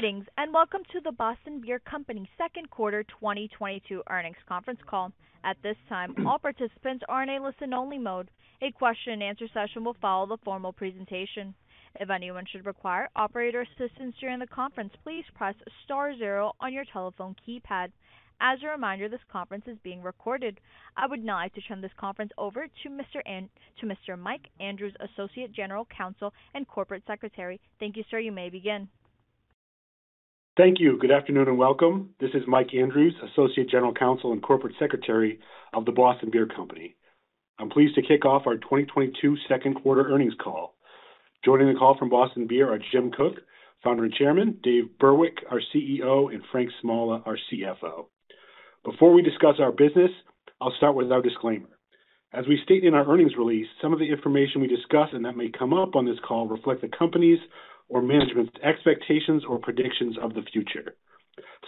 Greetings, and welcome to The Boston Beer Company second quarter 2022 earnings conference call. At this time, all participants are in a listen-only mode. A question and answer session will follow the formal presentation. If anyone should require operator assistance during the conference, please press star zero on your telephone keypad. As a reminder, this conference is being recorded. I would now like to turn this conference over to Mr. Mike Andrews, Associate General Counsel and Corporate Secretary. Thank you, sir. You may begin. Thank you. Good afternoon, and welcome. This is Michael Andrews, Associate General Counsel and Corporate Secretary of The Boston Beer Company. I'm pleased to kick off our 2022 second quarter earnings call. Joining the call from Boston Beer are Jim Koch, Founder and Chairman, Dave Burwick, our CEO, and Frank Smalla, our CFO. Before we discuss our business, I'll start with our disclaimer. As we state in our earnings release, some of the information we discuss and that may come up on this call reflect the company's or management's expectations or predictions of the future.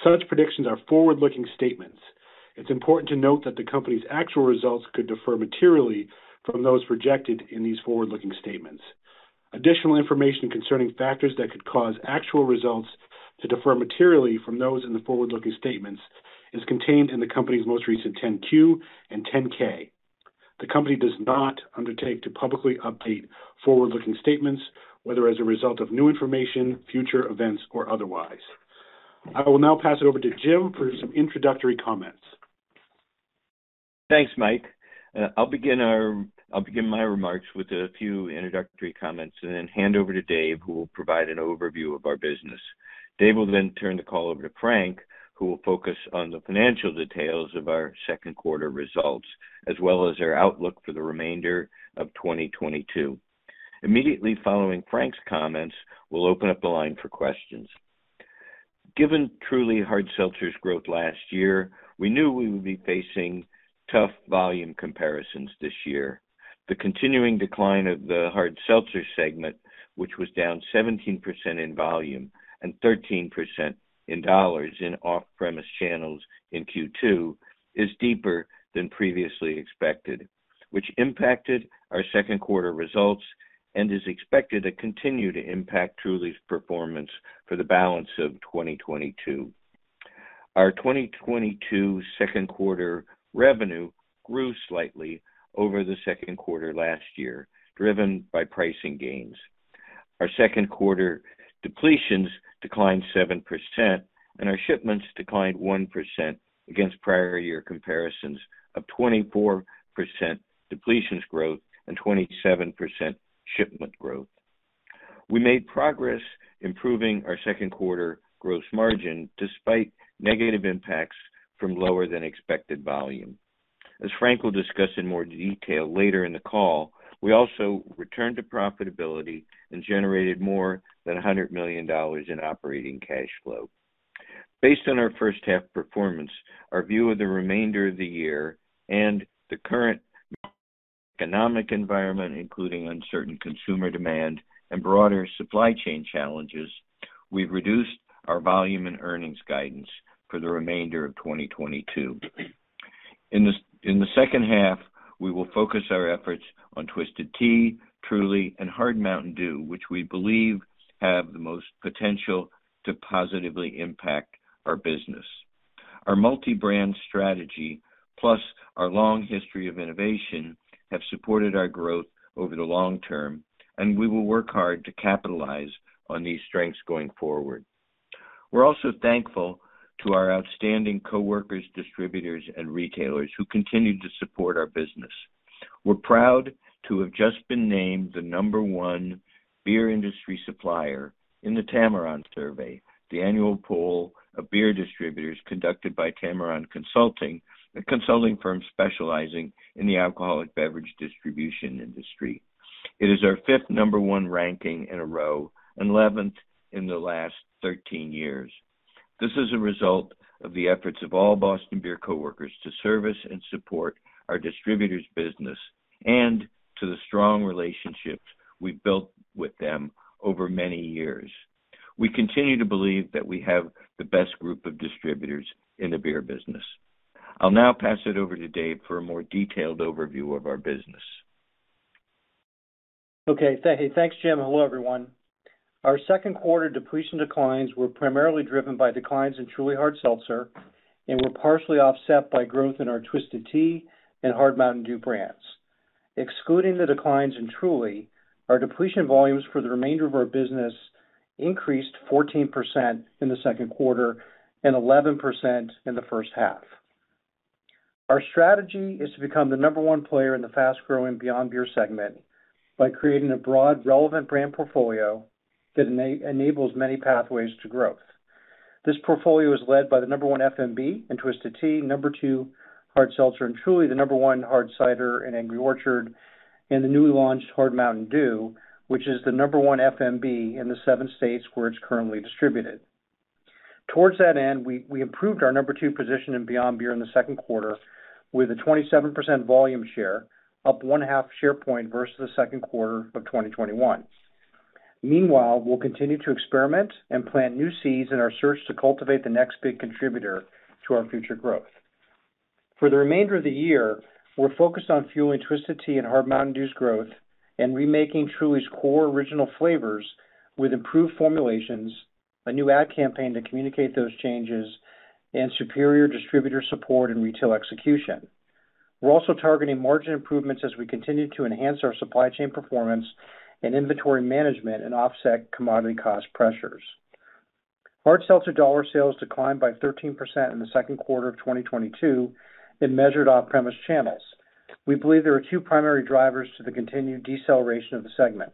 Such predictions are forward-looking statements. It's important to note that the company's actual results could differ materially from those projected in these forward-looking statements. Additional information concerning factors that could cause actual results to differ materially from those in the forward-looking statements is contained in the company's most recent 10-Q and 10-K. The company does not undertake to publicly update forward-looking statements, whether as a result of new information, future events, or otherwise. I will now pass it over to Jim for some introductory comments. Thanks, Mike. I'll begin my remarks with a few introductory comments and then hand over to Dave, who will provide an overview of our business. Dave will then turn the call over to Frank, who will focus on the financial details of our second quarter results, as well as our outlook for the remainder of 2022. Immediately following Frank's comments, we'll open up the line for questions. Given Truly Hard Seltzer's growth last year, we knew we would be facing tough volume comparisons this year. The continuing decline of the Hard Seltzer segment, which was down 17% in volume and 13% in dollars in off-premise channels in Q2, is deeper than previously expected, which impacted our second quarter results and is expected to continue to impact Truly's performance for the balance of 2022. Our 2022 second quarter revenue grew slightly over the second quarter last year, driven by pricing gains. Our second quarter depletions declined 7% and our shipments declined 1% against prior year comparisons of 24% depletions growth and 27% shipment growth. We made progress improving our second quarter gross margin despite negative impacts from lower than expected volume. As Frank will discuss in more detail later in the call, we also returned to profitability and generated more than $100 million in operating cash flow. Based on our first half performance, our view of the remainder of the year and the current economic environment, including uncertain consumer demand and broader supply chain challenges, we've reduced our volume and earnings guidance for the remainder of 2022. In the second half, we will focus our efforts on Twisted Tea, Truly and Hard Mountain Dew, which we believe have the most potential to positively impact our business. Our multi-brand strategy, plus our long history of innovation, have supported our growth over the long term, and we will work hard to capitalize on these strengths going forward. We're also thankful to our outstanding coworkers, distributors, and retailers who continue to support our business. We're proud to have just been named the number one beer industry supplier in the Tamarron survey, the annual poll of beer distributors conducted by Tamarron Consulting, a consulting firm specializing in the alcoholic beverage distribution industry. It is our fifth number one ranking in a row and 11th in the last 13 years. This is a result of the efforts of all Boston Beer coworkers to service and support our distributors' business and to the strong relationships we've built with them over many years. We continue to believe that we have the best group of distributors in the beer business. I'll now pass it over to Dave for a more detailed overview of our business. Okay. Thanks, Jim. Hello, everyone. Our second quarter depletion declines were primarily driven by declines in Truly Hard Seltzer and were partially offset by growth in our Twisted Tea and Hard Mountain Dew brands. Excluding the declines in Truly, our depletion volumes for the remainder of our business increased 14% in the second quarter and 11% in the first half. Our strategy is to become the number one player in the fast-growing beyond beer segment by creating a broad, relevant brand portfolio that enables many pathways to growth. This portfolio is led by the number one FMB in Twisted Tea, number two Hard Seltzer in Truly, the number one Hard Cider in Angry Orchard, and the newly launched Hard Mountain Dew, which is the number one FMB in the seven states where it's currently distributed. Towards that end, we improved our number two position in Beyond Beer in the second quarter with a 27% volume share, up 0.5 share point versus the second quarter of 2021. Meanwhile, we'll continue to experiment and plant new seeds in our search to cultivate the next big contributor to our future growth. For the remainder of the year, we're focused on fueling Twisted Tea and Hard Mountain Dew's growth and remaking Truly's core original flavors with improved formulations, a new ad campaign to communicate those changes, and superior distributor support and retail execution. We're also targeting margin improvements as we continue to enhance our supply chain performance and inventory management and offset commodity cost pressures. Hard seltzer dollar sales declined by 13% in the second quarter of 2022 in measured off-premise channels. We believe there are two primary drivers to the continued deceleration of the segment.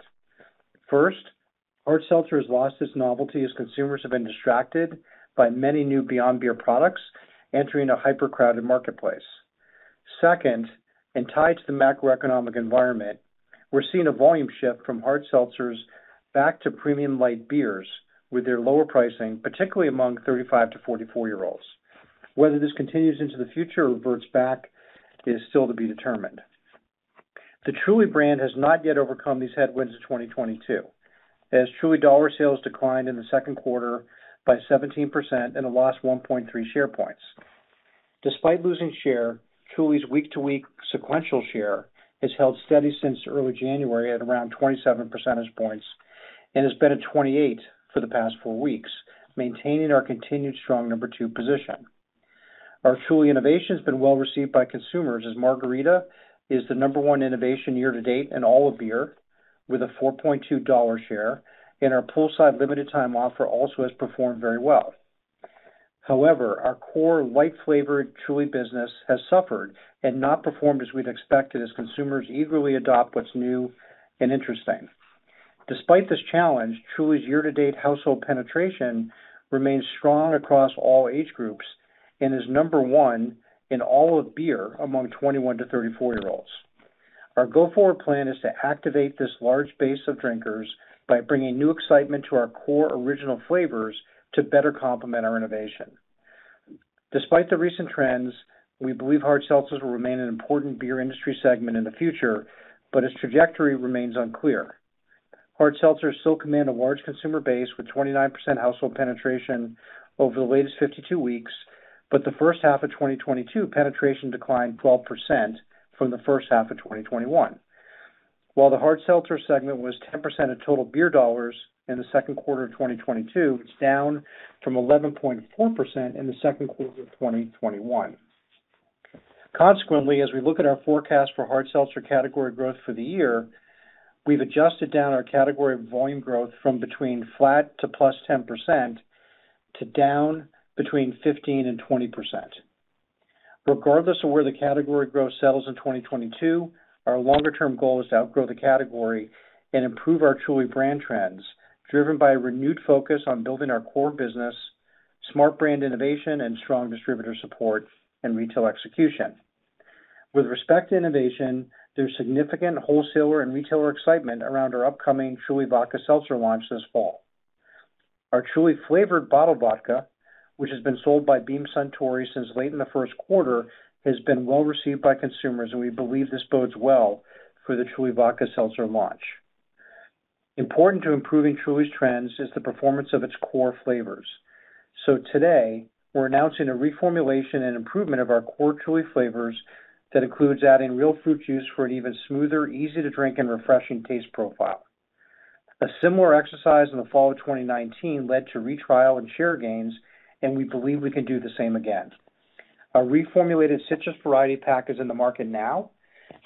First, hard seltzer has lost its novelty as consumers have been distracted by many new beyond beer products entering a hyper-crowded marketplace. Second, and tied to the macroeconomic environment, we're seeing a volume shift from hard seltzers back to premium light beers with their lower pricing, particularly among 35-year-olds to 44-year-olds. Whether this continues into the future or reverts back is still to be determined. The Truly brand has not yet overcome these headwinds of 2022, as Truly dollar sales declined in the second quarter by 17% and lost 1.3 share points. Despite losing share, Truly's week-to-week sequential share has held steady since early January at around 27 percentage points and has been at 28 percentage points for the past four weeks, maintaining our continued strong number two position. Our Truly innovation has been well received by consumers, as Margarita is the number one innovation year to date in all of beer with a $4.2 share, and our Poolside limited time offer also has performed very well. However, our core light flavored Truly business has suffered and not performed as we'd expected as consumers eagerly adopt what's new and interesting. Despite this challenge, Truly's year-to-date household penetration remains strong across all age groups and is number one in all of beer among 21-year-olds to 34-year-olds. Our go-forward plan is to activate this large base of drinkers by bringing new excitement to our core original flavors to better complement our innovation. Despite the recent trends, we believe hard seltzers will remain an important beer industry segment in the future, but its trajectory remains unclear. Hard seltzers still command a large consumer base with 29% household penetration over the latest 52 weeks, but the first half of 2022 penetration declined 12% from the first half of 2021. While the Hard Seltzer segment was 10% of total beer dollars in the second quarter of 2022, it's down from 11.4% in the second quarter of 2021. Consequently, as we look at our forecast for hard seltzer category growth for the year, we've adjusted down our category volume growth from between flat to +10% to down 15%-20%. Regardless of where the category growth settles in 2022, our longer-term goal is to outgrow the category and improve our Truly brand trends driven by a renewed focus on building our core business, smart brand innovation, and strong distributor support and retail execution. With respect to innovation, there's significant wholesaler and retailer excitement around our upcoming Truly Vodka Seltzer launch this fall. Our Truly flavored bottled vodka, which has been sold by Beam Suntory since late in the first quarter, has been well received by consumers, and we believe this bodes well for the Truly Vodka Seltzer launch. Important to improving Truly's trends is the performance of its core flavors. Today we're announcing a reformulation and improvement of our core Truly flavors that includes adding real fruit juice for an even smoother, easy to drink, and refreshing taste profile. A similar exercise in the fall of 2019 led to retrial and share gains, and we believe we can do the same again. Our reformulated citrus variety pack is in the market now,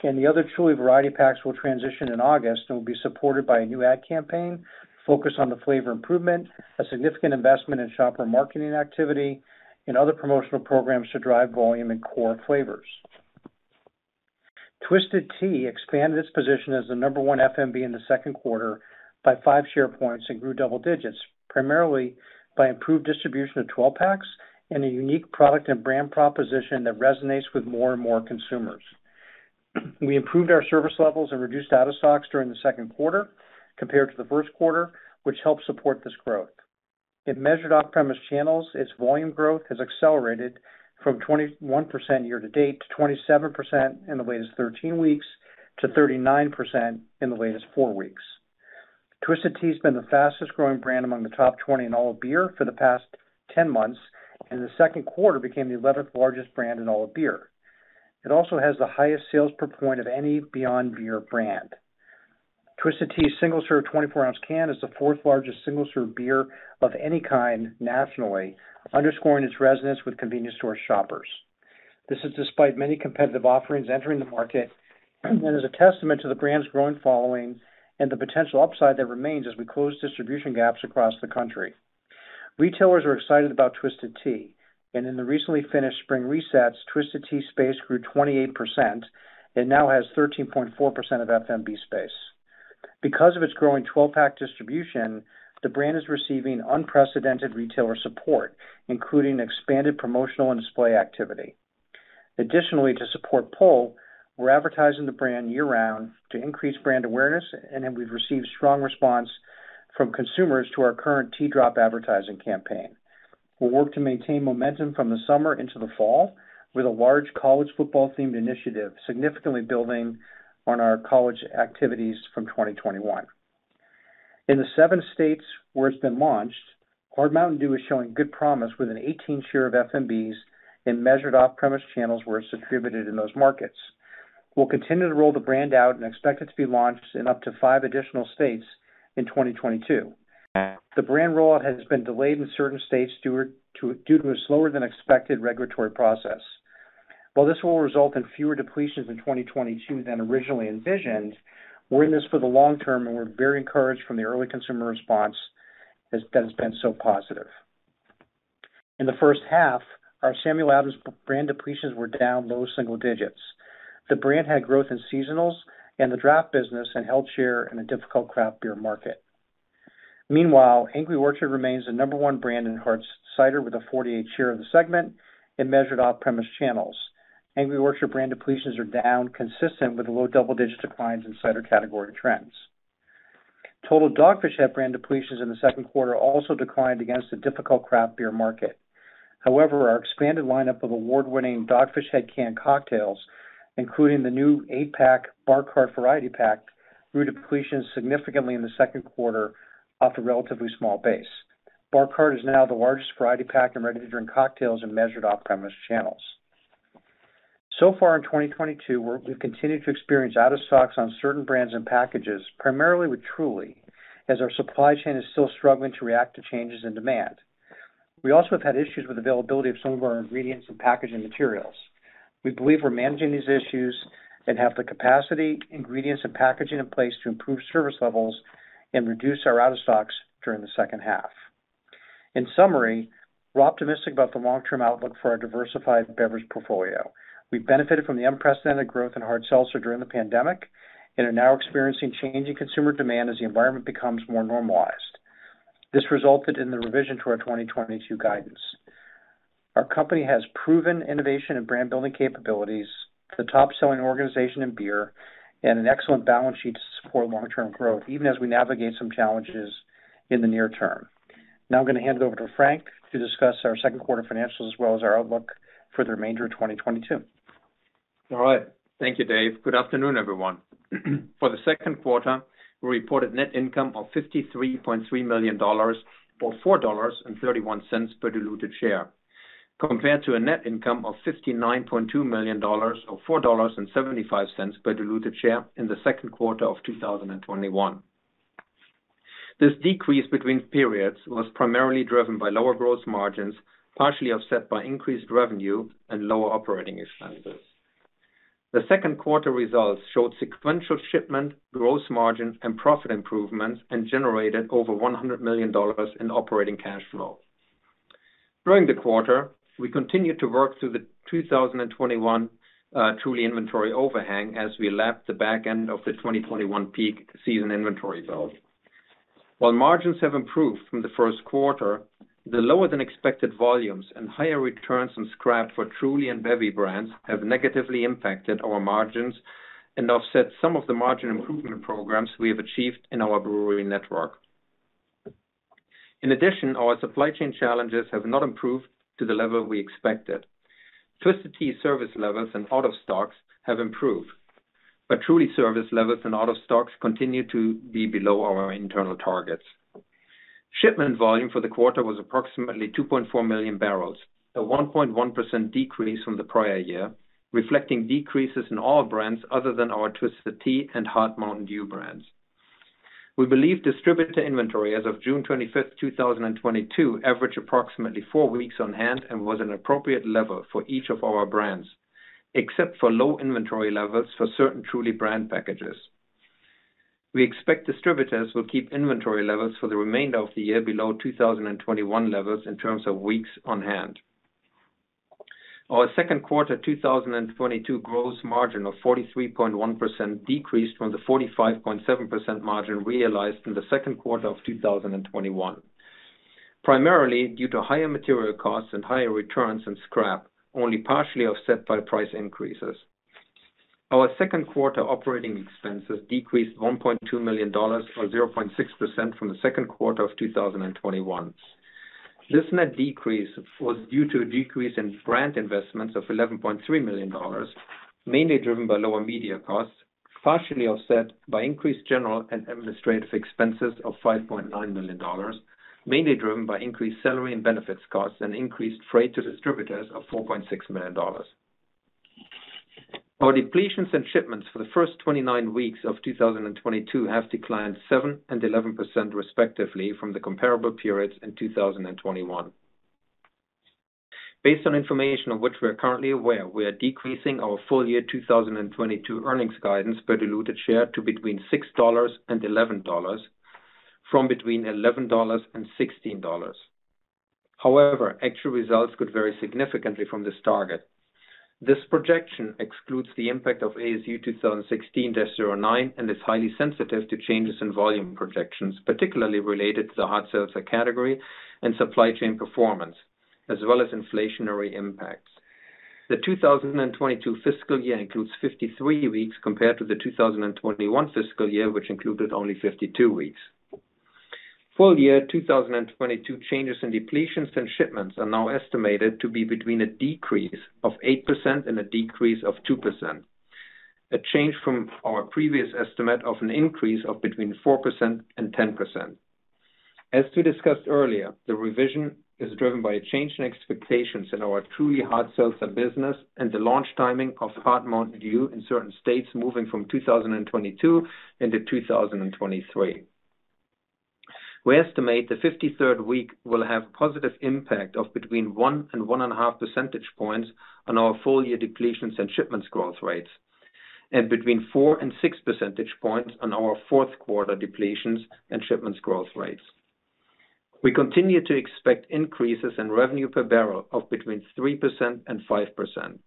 and the other Truly variety packs will transition in August and will be supported by a new ad campaign focused on the flavor improvement, a significant investment in shopper marketing activity, and other promotional programs to drive volume in core flavors. Twisted Tea expanded its position as the number one FMB in the second quarter by 5 share points and grew double digits, primarily by improved distribution of 12 packs and a unique product and brand proposition that resonates with more and more consumers. We improved our service levels and reduced out of stocks during the second quarter compared to the first quarter, which helped support this growth. In measured off-premise channels. Its volume growth has accelerated from 21% year-to-date to 27% in the latest 13 weeks to 39% in the latest four weeks. Twisted Tea has been the fastest-growing brand among the top 20 in all of beer for the past 10 months, and in the second quarter became the 11th largest brand in all of beer. It also has the highest sales per point of any Beyond Beer brand. Twisted Tea's single-serve 24-ounce can is the fourth largest single-serve beer of any kind nationally, underscoring its resonance with convenience store shoppers. This is despite many competitive offerings entering the market and is a testament to the brand's growing following and the potential upside that remains as we close distribution gaps across the country. Retailers are excited about Twisted Tea, and in the recently finished spring resets, Twisted Tea space grew 28% and now has 13.4% of FMB space. Because of its growing 12-pack distribution, the brand is receiving unprecedented retailer support, including expanded promotional and display activity. Additionally, to support pull, we're advertising the brand year-round to increase brand awareness, and then we've received strong response from consumers to our current Tea Drop advertising campaign. We'll work to maintain momentum from the summer into the fall with a large college football-themed initiative, significantly building on our college activities from 2021. In the seven states where it's been launched, Hard Mountain Dew is showing good promise with an 18% share of FMBs in measured off-premise channels where it's distributed in those markets. We'll continue to roll the brand out and expect it to be launched in up to five additional states in 2022. The brand rollout has been delayed in certain states due to a slower than expected regulatory process. While this will result in fewer depletions in 2022 than originally envisioned, we're in this for the long term, and we're very encouraged from the early consumer response that has been so positive. In the first half, our Samuel Adams brand depletions were down low single digits. The brand had growth in seasonals and the draft business and held share in a difficult craft beer market. Meanwhile, Angry Orchard remains the number one brand in hard cider with a 48% share of the segment in measured off-premise channels. Angry Orchard brand depletions are down, consistent with low double-digit declines in cider category trends. Total Dogfish Head brand depletions in the second quarter also declined against a difficult craft beer market. However, our expanded lineup of award-winning Dogfish Head canned cocktails, including the new eight-pack Bar Cart variety pack, grew depletions significantly in the second quarter off a relatively small base. Bar Cart is now the largest variety pack in ready-to-drink cocktails in measured off-premise channels. So far in 2022, we've continued to experience out of stocks on certain brands and packages, primarily with Truly, as our supply chain is still struggling to react to changes in demand. We also have had issues with availability of some of our ingredients and packaging materials. We believe we're managing these issues and have the capacity, ingredients, and packaging in place to improve service levels and reduce our out of stocks during the second half. In summary, we're optimistic about the long-term outlook for our diversified beverage portfolio. We benefited from the unprecedented growth in hard seltzer during the pandemic and are now experiencing changing consumer demand as the environment becomes more normalized. This resulted in the revision to our 2022 guidance. Our company has proven innovation and brand-building capabilities, the top-selling organization in beer, and an excellent balance sheet to support long-term growth, even as we navigate some challenges in the near term. Now I'm gonna hand it over to Frank to discuss our second quarter financials as well as our outlook for the remainder of 2022. All right. Thank you, Dave. Good afternoon, everyone. For the second quarter, we reported net income of $53.3 million, or $4.31 per diluted share, compared to a net income of $59.2 million, or $4.75 per diluted share in the second quarter of 2021. This decrease between periods was primarily driven by lower gross margins, partially offset by increased revenue and lower operating expenses. The second quarter results showed sequential shipment, gross margin, and profit improvements and generated over $100 million in operating cash flow. During the quarter, we continued to work through the 2021 Truly inventory overhang as we lapped the back end of the 2021 peak season inventory build. While margins have improved from the first quarter, the lower than expected volumes and higher returns and scrap for Truly and Bevy brands have negatively impacted our margins and offset some of the margin improvement programs we have achieved in our brewery network. In addition, our supply chain challenges have not improved to the level we expected. Twisted Tea service levels and out of stocks have improved, but Truly service levels and out of stocks continue to be below our internal targets. Shipment volume for the quarter was approximately 2.4 million bbl, a 1.1% decrease from the prior year, reflecting decreases in all brands other than our Twisted Tea and Hard Mountain Dew brands. We believe distributor inventory as of June 25th, 2022 averaged approximately four weeks on hand and was an appropriate level for each of our brands, except for low inventory levels for certain Truly brand packages. We expect distributors will keep inventory levels for the remainder of the year below 2021 levels in terms of weeks on hand. Our second quarter 2022 gross margin of 43.1% decreased from the 45.7% margin realized in the second quarter of 2021, primarily due to higher material costs and higher returns and scrap, only partially offset by price increases. Our second quarter operating expenses decreased $1.2 million or 0.6% from the second quarter of 2021. This net decrease was due to a decrease in brand investments of $11.3 million, mainly driven by lower media costs, partially offset by increased general and administrative expenses of $5.9 million, mainly driven by increased salary and benefits costs and increased freight to distributors of $4.6 million. Our depletions and shipments for the first 29 weeks of 2022 have declined 7% and 11% respectively from the comparable periods in 2021. Based on information of which we are currently aware, we are decreasing our full-year 2022 earnings guidance per diluted share to between $6 and $11, from between $11 and $16. However, actual results could vary significantly from this target. This projection excludes the impact of ASU 2016-09 and is highly sensitive to changes in volume projections, particularly related to the hard seltzer category and supply chain performance, as well as inflationary impacts. The 2022 fiscal year includes 53 weeks compared to the 2021 fiscal year, which included only 52 weeks. Full year 2022 changes in depletions and shipments are now estimated to be between a decrease of 8% and a decrease of 2%. A change from our previous estimate of an increase of between 4% and 10%. As we discussed earlier, the revision is driven by a change in expectations in our Truly Hard Seltzer business and the launch timing of Hard Mountain Dew in certain states, moving from 2022 into 2023. We estimate the 53rd week will have positive impact of between 1 percentage points and 1.5 percentage points on our full year depletions and shipments growth rates, and between 4 percentage points-6 percentage points on our fourth quarter depletions and shipments growth rates. We continue to expect increases in revenue per barrel of between 3% and 5%.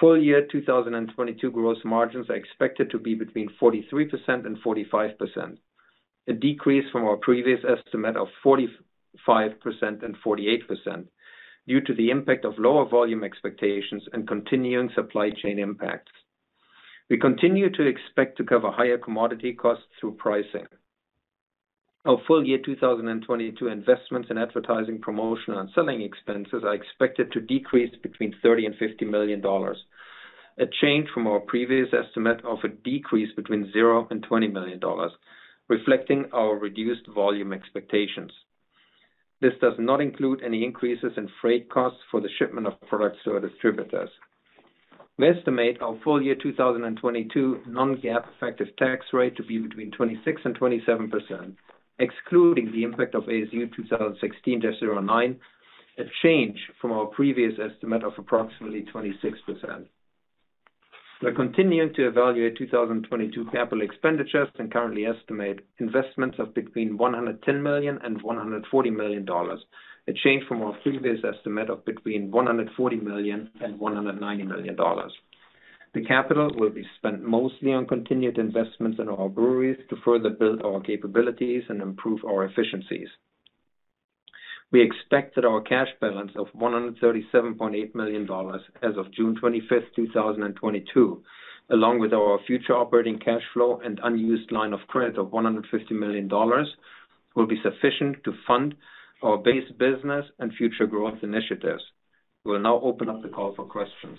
Full year 2022 gross margins are expected to be between 43% and 45%, a decrease from our previous estimate of 45% and 48% due to the impact of lower volume expectations and continuing supply chain impacts. We continue to expect to cover higher commodity costs through pricing. Our full year 2022 investments in advertising, promotion and selling expenses are expected to decrease between $30 million and $50 million, a change from our previous estimate of a decrease between $0 and $20 million, reflecting our reduced volume expectations. This does not include any increases in freight costs for the shipment of products to our distributors. We estimate our full year 2022 non-GAAP effective tax rate to be between 26% and 27%, excluding the impact of ASU 2016-09, a change from our previous estimate of approximately 26%. We're continuing to evaluate 2022 capital expenditures and currently estimate investments of between $110 million and $140 million, a change from our previous estimate of between $140 million and $190 million. The capital will be spent mostly on continued investments in our breweries to further build our capabilities and improve our efficiencies. We expect that our cash balance of $137.8 million as of June 25th, 2022, along with our future operating cash flow and unused line of credit of $150 million, will be sufficient to fund our base business and future growth initiatives. We will now open up the call for questions.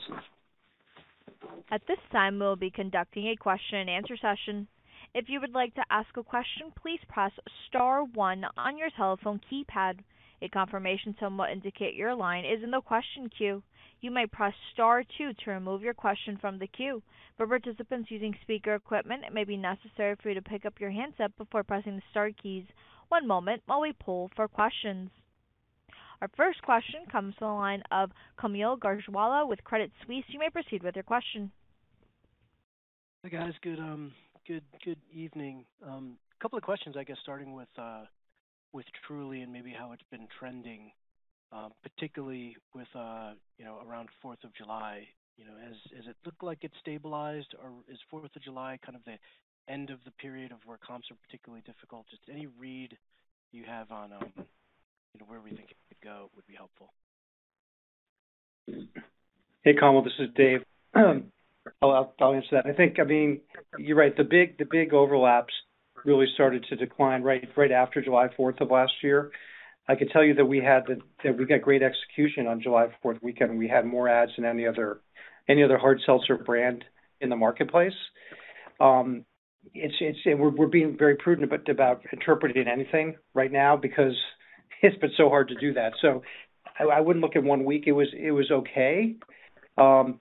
At this time, we'll be conducting a question and answer session. If you would like to ask a question, please press star one on your telephone keypad. A confirmation tone will indicate your line is in the question queue. You may press star two to remove your question from the queue. For participants using speaker equipment, it may be necessary for you to pick up your handset before pressing the star keys. One moment while we poll for questions. Our first question comes to the line of Kaumil Gajrawala with Credit Suisse. You may proceed with your question. Hi, guys. Good evening. A couple of questions, I guess, starting with Truly and maybe how it's been trending, particularly with, you know, around Fourth of July. You know, does it look like it's stabilized or is Fourth of July kind of the end of the period where comps are particularly difficult? Just any read you have on, you know, where we think it could go would be helpful. Hey, Kaumil, this is Dave. I'll answer that. I think, I mean, you're right. The big overlaps really started to decline right after July Fourth of last year. I can tell you that we got great execution on July Fourth weekend. We had more ads than any other hard seltzer brand in the marketplace. It's and we're being very prudent about interpreting anything right now because it's been so hard to do that. I wouldn't look at one week. It was okay. I'm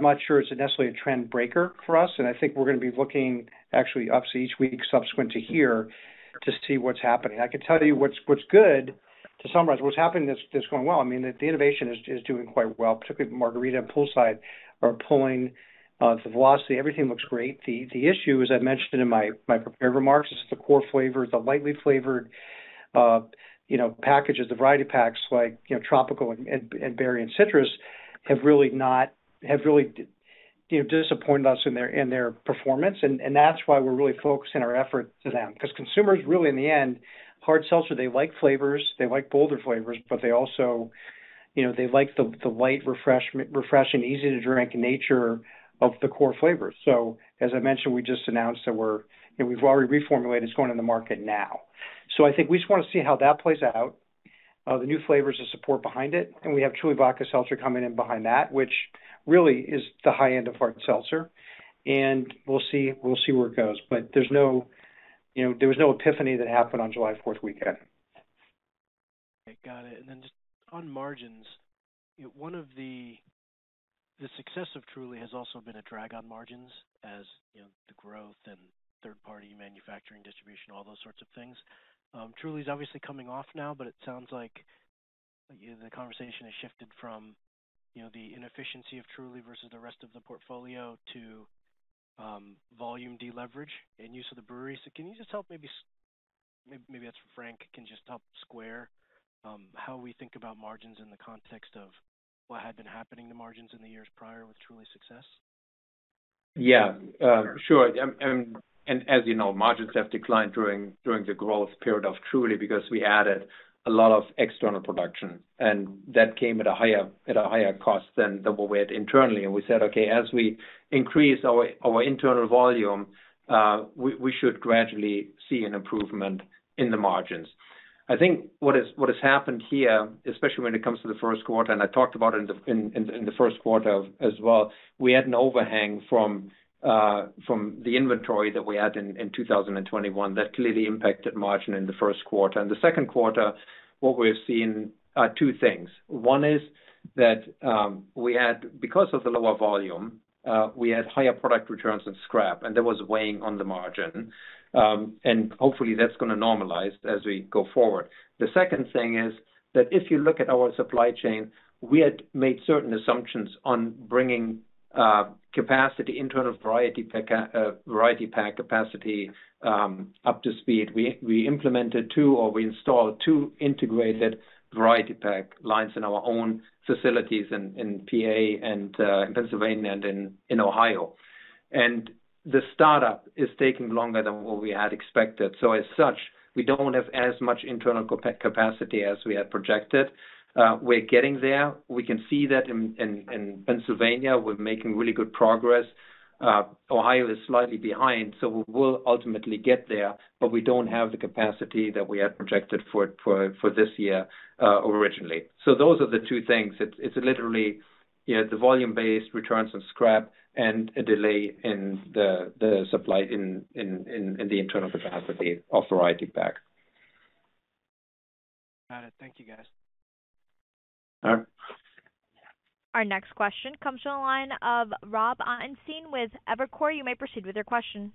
not sure it's necessarily a trend breaker for us. I think we're gonna be looking actually obviously each week subsequent to here to see what's happening. I can tell you what's good, to summarize what's happening that's going well. I mean, the innovation is doing quite well, particularly Margarita and Poolside are pulling the velocity. Everything looks great. The issue, as I mentioned in my prepared remarks, is the core flavors, the lightly flavored, you know, packages, the variety packs like, you know, tropical and berry and citrus have really disappointed us in their performance. That's why we're really focusing our effort to them, because consumers really, in the end, hard seltzer, they like flavors, they like bolder flavors, but they also, you know, they like the light refreshing, easy to drink nature of the core flavors. As I mentioned, we just announced that we've already reformulated. It's going in the market now. I think we just wanna see how that plays out, the new flavors, the support behind it. We have Truly Vodka Seltzer coming in behind that, which really is the high end of hard seltzer. We'll see where it goes. There's no, you know, there was no epiphany that happened on July Fourth weekend. Got it. Just on margins, one of the success of Truly has also been a drag on margins. As, you know, the growth and third-party manufacturing, distribution, all those sorts of things. Truly is obviously coming off now, but it sounds like the conversation has shifted from, you know, the inefficiency of Truly versus the rest of the portfolio to, volume deleverage and use of the brewery. Can you just help maybe that's for Frank, can you just help square, how we think about margins in the context of what had been happening to margins in the years prior with Truly's success? Yeah, sure. As you know, margins have declined during the growth period of Truly because we added a lot of external production, and that came at a higher cost than double weight internally. We said, okay, as we increase our internal volume, we should gradually see an improvement in the margins. I think what has happened here, especially when it comes to the first quarter, and I talked about it in the first quarter as well, we had an overhang from the inventory that we had in 2021 that clearly impacted margin in the first quarter. In the second quarter, what we're seeing are two things. One is that because of the lower volume, we had higher product returns and scrap, and that was weighing on the margin. Hopefully, that's gonna normalize as we go forward. The second thing is that if you look at our supply chain, we had made certain assumptions on bringing internal variety pack capacity up to speed. We installed two integrated variety pack lines in our own facilities in PA, Pennsylvania and in Ohio. The startup is taking longer than what we had expected. As such, we don't have as much internal capacity as we had projected. We're getting there. We can see that in Pennsylvania, we're making really good progress. Ohio is slightly behind, so we'll ultimately get there, but we don't have the capacity that we had projected for this year, originally. Those are the two things. It's literally, you know, the volume-based returns on scrap and a delay in the supply in the internal capacity of variety pack. Got it. Thank you, guys. All right. Our next question comes from the line of Rob Ottenstein with Evercore. You may proceed with your question.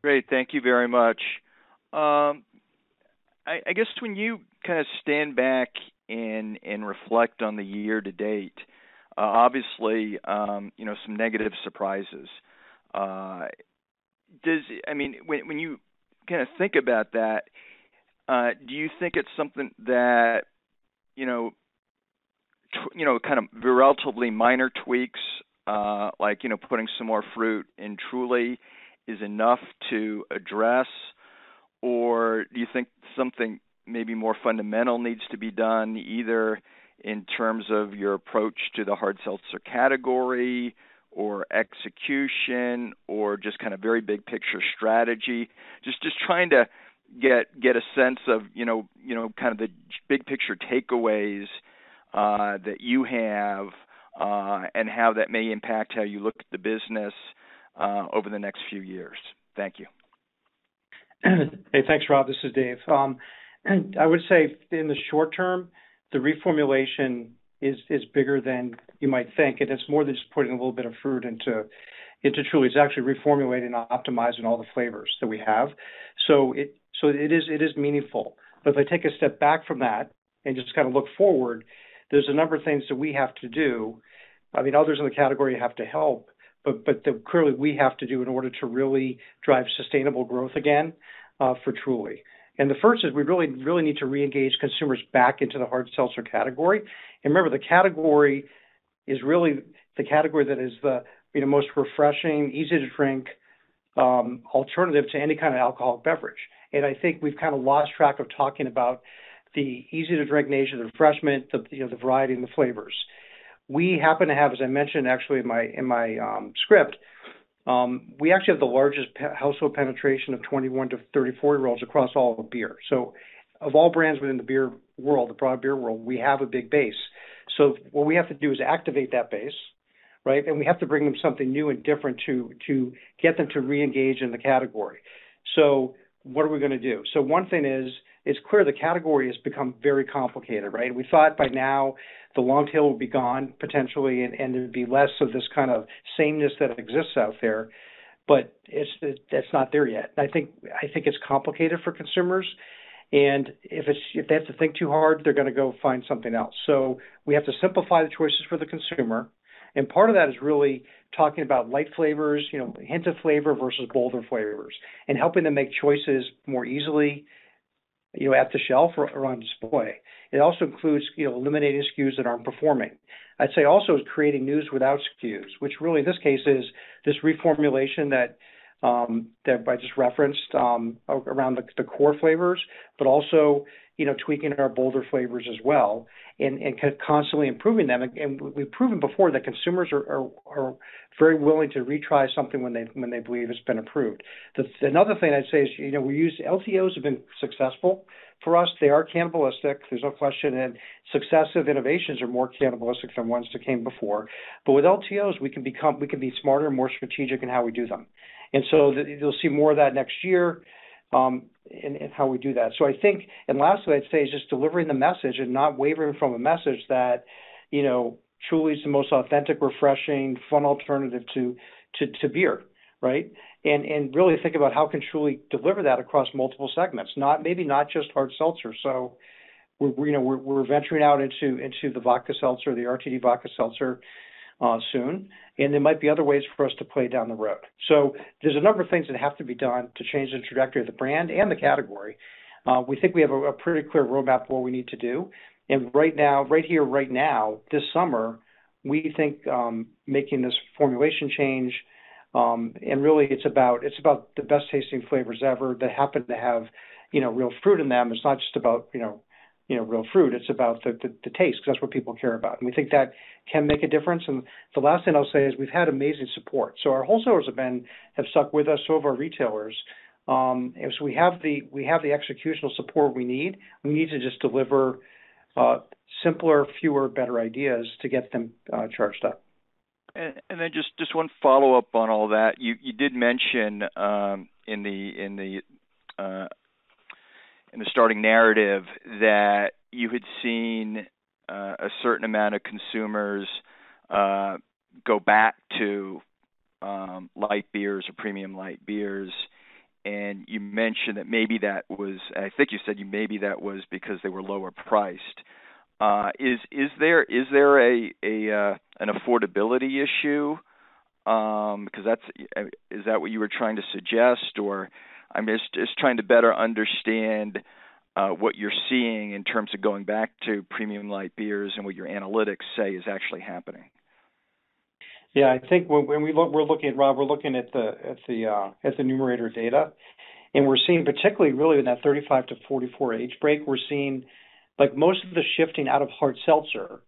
Great. Thank you very much. I guess when you kind of stand back and reflect on the year to date, obviously, you know, some negative surprises. I mean, when you kinda think about that, do you think it's something that, you know, you know, kind of relatively minor tweaks, like, you know, putting some more fruit in Truly is enough to address, or do you think something maybe more fundamental needs to be done, either in terms of your approach to the hard seltzer category or execution or just kind of very big picture strategy? Just trying to get a sense of, you know, you know, kind of the big picture takeaways, that you have, and how that may impact how you look at the business, over the next few years. Thank you. Hey, thanks, Rob. This is Dave. I would say in the short term, the reformulation is bigger than you might think. It's more than just putting a little bit of fruit into Truly. It's actually reformulating and optimizing all the flavors that we have. It is meaningful. If I take a step back from that and just kind of look forward, there's a number of things that we have to do. I mean, others in the category have to help, but clearly we have to do in order to really drive sustainable growth again for Truly. The first is we really need to reengage consumers back into the hard seltzer category. Remember, the category is really the category that is the, you know, most refreshing, easy to drink, alternative to any kind of alcoholic beverage. I think we've kind of lost track of talking about the easy to drink nature, the refreshment, the, you know, the variety and the flavors. We happen to have, as I mentioned actually in my script, we actually have the largest household penetration of 21-year-olds to 34-year-olds across all of beer. Of all brands within the beer world, the broad beer world, we have a big base. What we have to do is activate that base, right? We have to bring them something new and different to get them to reengage in the category. What are we gonna do? One thing is, it's clear the category has become very complicated, right? We thought by now the long tail would be gone potentially, and there'd be less of this kind of sameness that exists out there. It's not there yet. I think it's complicated for consumers. If they have to think too hard, they're gonna go find something else. We have to simplify the choices for the consumer. Part of that is really talking about light flavors, you know, hint of flavor versus bolder flavors, and helping them make choices more easily, you know, at the shelf or on display. It also includes, you know, eliminating SKUs that aren't performing. I'd say, also, is creating news without SKUs, which really in this case is this reformulation that I just referenced around the core flavors, but also, you know, tweaking our bolder flavors as well and constantly improving them. We've proven before that consumers are very willing to retry something when they believe it's been improved. Another thing I'd say is, you know, LTOs have been successful for us. They are cannibalistic, there's no question. Successive innovations are more cannibalistic than ones that came before. With LTOs, we can be smarter and more strategic in how we do them. You'll see more of that next year in how we do that. I think and lastly, I'd say is just delivering the message and not wavering from a message that, you know, Truly is the most authentic, refreshing, fun alternative to beer, right? Really think about how can Truly deliver that across multiple segments, not, maybe not just hard seltzers. You know, we're venturing out into the vodka seltzer, the RTD vodka seltzer, soon, and there might be other ways for us to play down the road. There's a number of things that have to be done to change the trajectory of the brand and the category. We think we have a pretty clear roadmap of what we need to do. Right now, right here, right now, this summer, we think making this formulation change, and really, it's about the best-tasting flavors ever that happen to have, you know, real fruit in them. It's not just about, you know, real fruit, it's about the taste because that's what people care about. We think that can make a difference. The last thing I'll say is we've had amazing support. Our wholesalers have stuck with us, so have our retailers. We have the executional support we need. We need to just deliver simpler, fewer, better ideas to get them charged up. Then just one follow-up on all that. You did mention in the starting narrative that you had seen a certain amount of consumers go back to light beers or premium light beers. You mentioned that maybe that was. I think you said maybe that was because they were lower priced. Is there an affordability issue? Because that's. Is that what you were trying to suggest? I mean, just trying to better understand what you're seeing in terms of going back to premium light beers and what your analytics say is actually happening. Yeah, I think when we look, Rob, we're looking at the Numerator data, and we're seeing particularly really in that 35-year-old to 44-year-old age break, we're seeing like most of the shifting out of hard seltzer.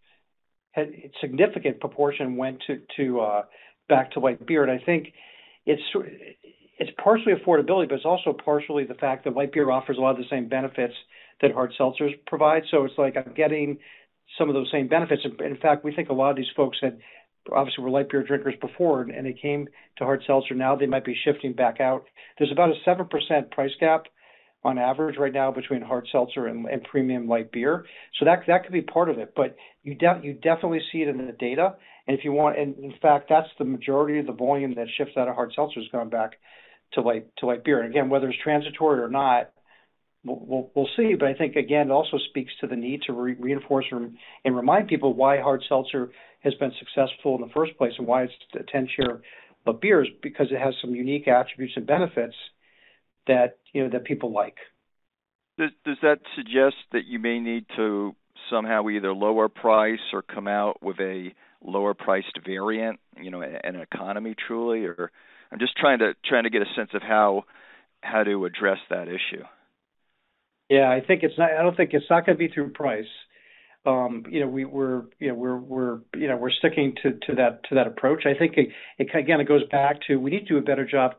A significant proportion went to back to light beer. I think it's partially affordability, but it's also partially the fact that light beer offers a lot of the same benefits that hard seltzers provide. It's like I'm getting some of those same benefits. In fact, we think a lot of these folks had obviously were light beer drinkers before, and they came to hard seltzer. Now they might be shifting back out. There's about a 7% price gap on average right now between hard seltzer and premium light beer. That could be part of it. You definitely see it in the data. In fact, that's the majority of the volume that shifts out of hard seltzer has gone back to light beer. Again, whether it's transitory or not, we'll see. I think, again, it also speaks to the need to reinforce and remind people why hard seltzer has been successful in the first place and why it's a 10% share of beer, because it has some unique attributes and benefits that, you know, that people like. Does that suggest that you may need to somehow either lower price or come out with a lower priced variant, you know, an economy Truly? Or I'm just trying to get a sense of how to address that issue. I don't think it's not gonna be through price. You know, we're sticking to that approach. I think again, it goes back to we need to do a better job,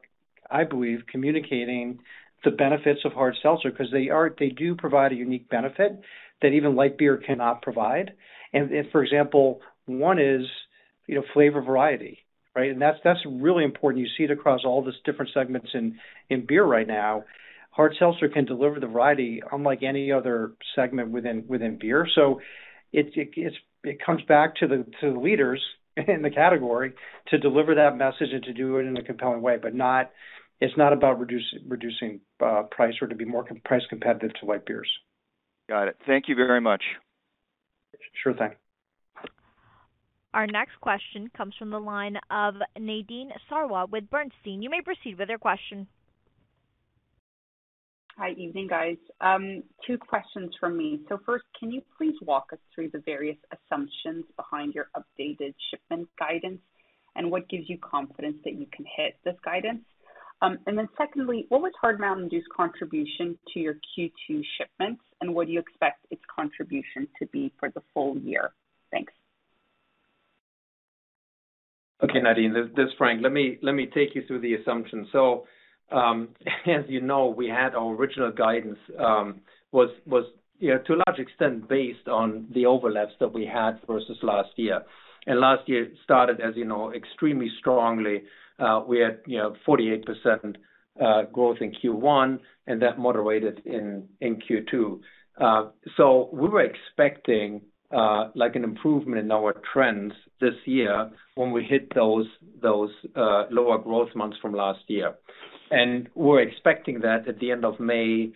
I believe, communicating the benefits of hard seltzer because they do provide a unique benefit that even light beer cannot provide. If, for example, one is, you know, flavor variety, right? That's really important. You see it across all these different segments in beer right now. Hard seltzer can deliver the variety unlike any other segment within beer. It's. It comes back to the leaders in the category to deliver that message and to do it in a compelling way. It's not about reducing price or to be more price competitive to light beers. Got it. Thank you very much. Sure thing. Our next question comes from the line of Nadine Sarwat with Bernstein. You may proceed with your question. Hi. Evening, guys. Two questions from me. First, can you please walk us through the various assumptions behind your updated shipment guidance and what gives you confidence that you can hit this guidance? Secondly, what was Hard Mountain Dew's contribution to your Q2 shipments, and what do you expect its contribution to be for the full year? Thanks. Okay, Nadine, this is Frank. Let me take you through the assumptions. As you know, we had our original guidance, you know, to a large extent based on the overlaps that we had versus last year. Last year started, as you know, extremely strongly. We had, you know, 48% growth in Q1, and that moderated in Q2. We were expecting, like, an improvement in our trends this year when we hit those lower growth months from last year. We're expecting that at the end of May,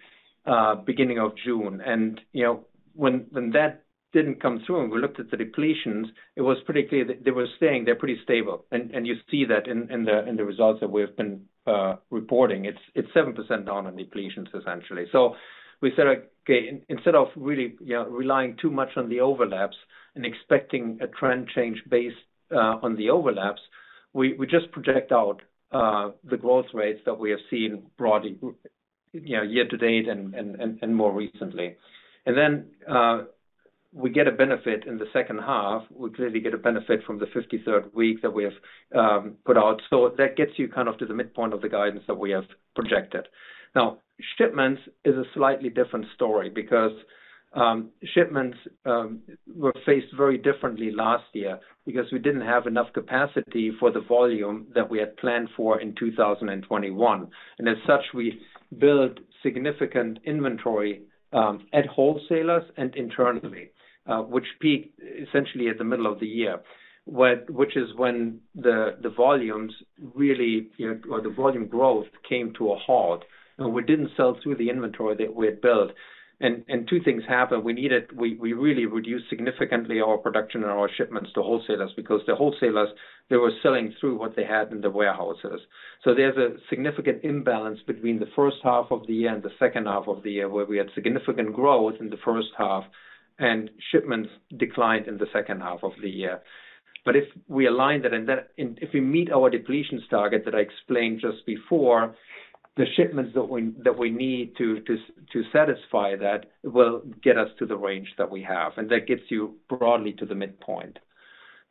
beginning of June. You know, when that didn't come through and we looked at the depletions, it was pretty clear that they were staying. They're pretty stable. You see that in the results that we've been reporting. It's 7% down on depletions, essentially. We said, okay, instead of really, you know, relying too much on the overlaps and expecting a trend change based on the overlaps, we just project out the growth rates that we have seen broadly, you know, year to date and more recently. Then we get a benefit in the second half. We clearly get a benefit from the 53rd week that we have put out. That gets you kind of to the midpoint of the guidance that we have projected. Now, shipments is a slightly different story because shipments were faced very differently last year because we didn't have enough capacity for the volume that we had planned for in 2021. As such, we built significant inventory at wholesalers and internally, which peaked essentially at the middle of the year, which is when the volumes really, you know, or the volume growth came to a halt, and we didn't sell through the inventory that we had built. Two things happened. We really reduced significantly our production and our shipments to wholesalers because the wholesalers they were selling through what they had in the warehouses. There's a significant imbalance between the first half of the year and the second half of the year, where we had significant growth in the first half and shipments declined in the second half of the year. If we align that and then if we meet our depletions target that I explained just before. The shipments that we need to satisfy that will get us to the range that we have. That gets you broadly to the midpoint.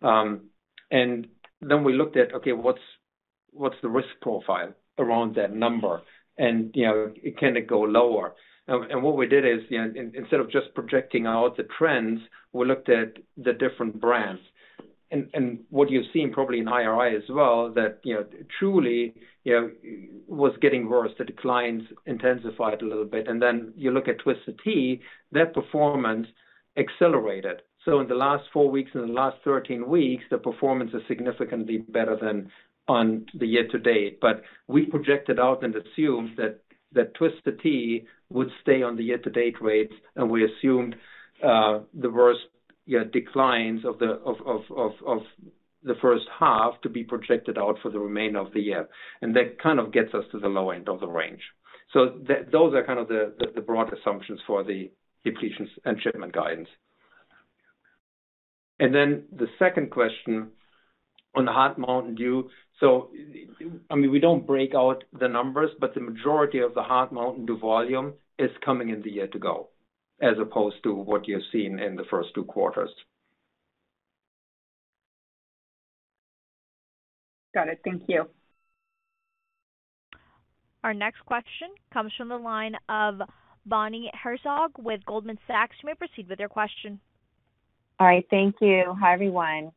We looked at what's the risk profile around that number and, you know, can it go lower? What we did is instead of just projecting out the trends, we looked at the different brands and what you're seeing probably in IRI as well, that, you know, Truly, you know, was getting worse. The declines intensified a little bit. You look at Twisted Tea. That performance accelerated. In the last four weeks and the last 13 weeks, the performance is significantly better than on the year-to-date. We projected out and assumed that Twisted Tea would stay on the year-to-date rates, and we assumed the worst declines of the first half to be projected out for the remainder of the year. That kind of gets us to the low end of the range. Those are kind of the broad assumptions for the depletions and shipment guidance. Then the second question on the Hard Mountain Dew. I mean, we don't break out the numbers, but the majority of the Hard Mountain Dew volume is coming in the year to go as opposed to what you've seen in the first two quarters. Got it. Thank you. Our next question comes from the line of Bonnie Herzog with Goldman Sachs. You may proceed with your question. All right. Thank you. Hi, everyone.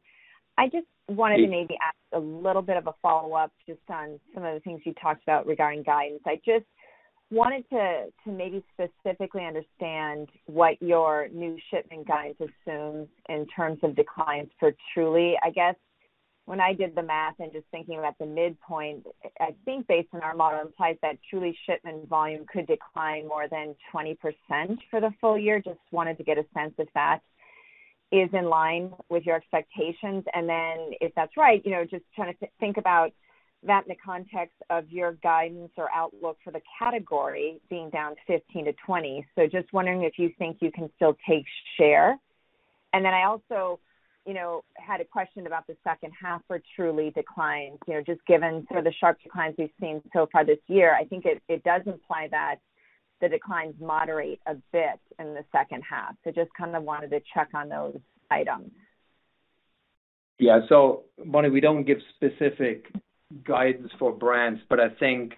I just wanted to maybe ask a little bit of a follow-up just on some of the things you talked about regarding guidance. I just wanted to maybe specifically understand what your new shipment guidance assumes in terms of declines for Truly. I guess when I did the math and just thinking about the midpoint, I think based on our model implies that Truly shipment volume could decline more than 20% for the full year. Just wanted to get a sense if that is in line with your expectations. If that's right, you know, just trying to think about that in the context of your guidance or outlook for the category being down 15%-20%. Just wondering if you think you can still take share. I also, you know, had a question about the second half for Truly declines. You know, just given some of the sharp declines we've seen so far this year. I think it does imply that the declines moderate a bit in the second half. Just kind of wanted to check on those items. Yeah. Bonnie, we don't give specific guidance for brands, but I think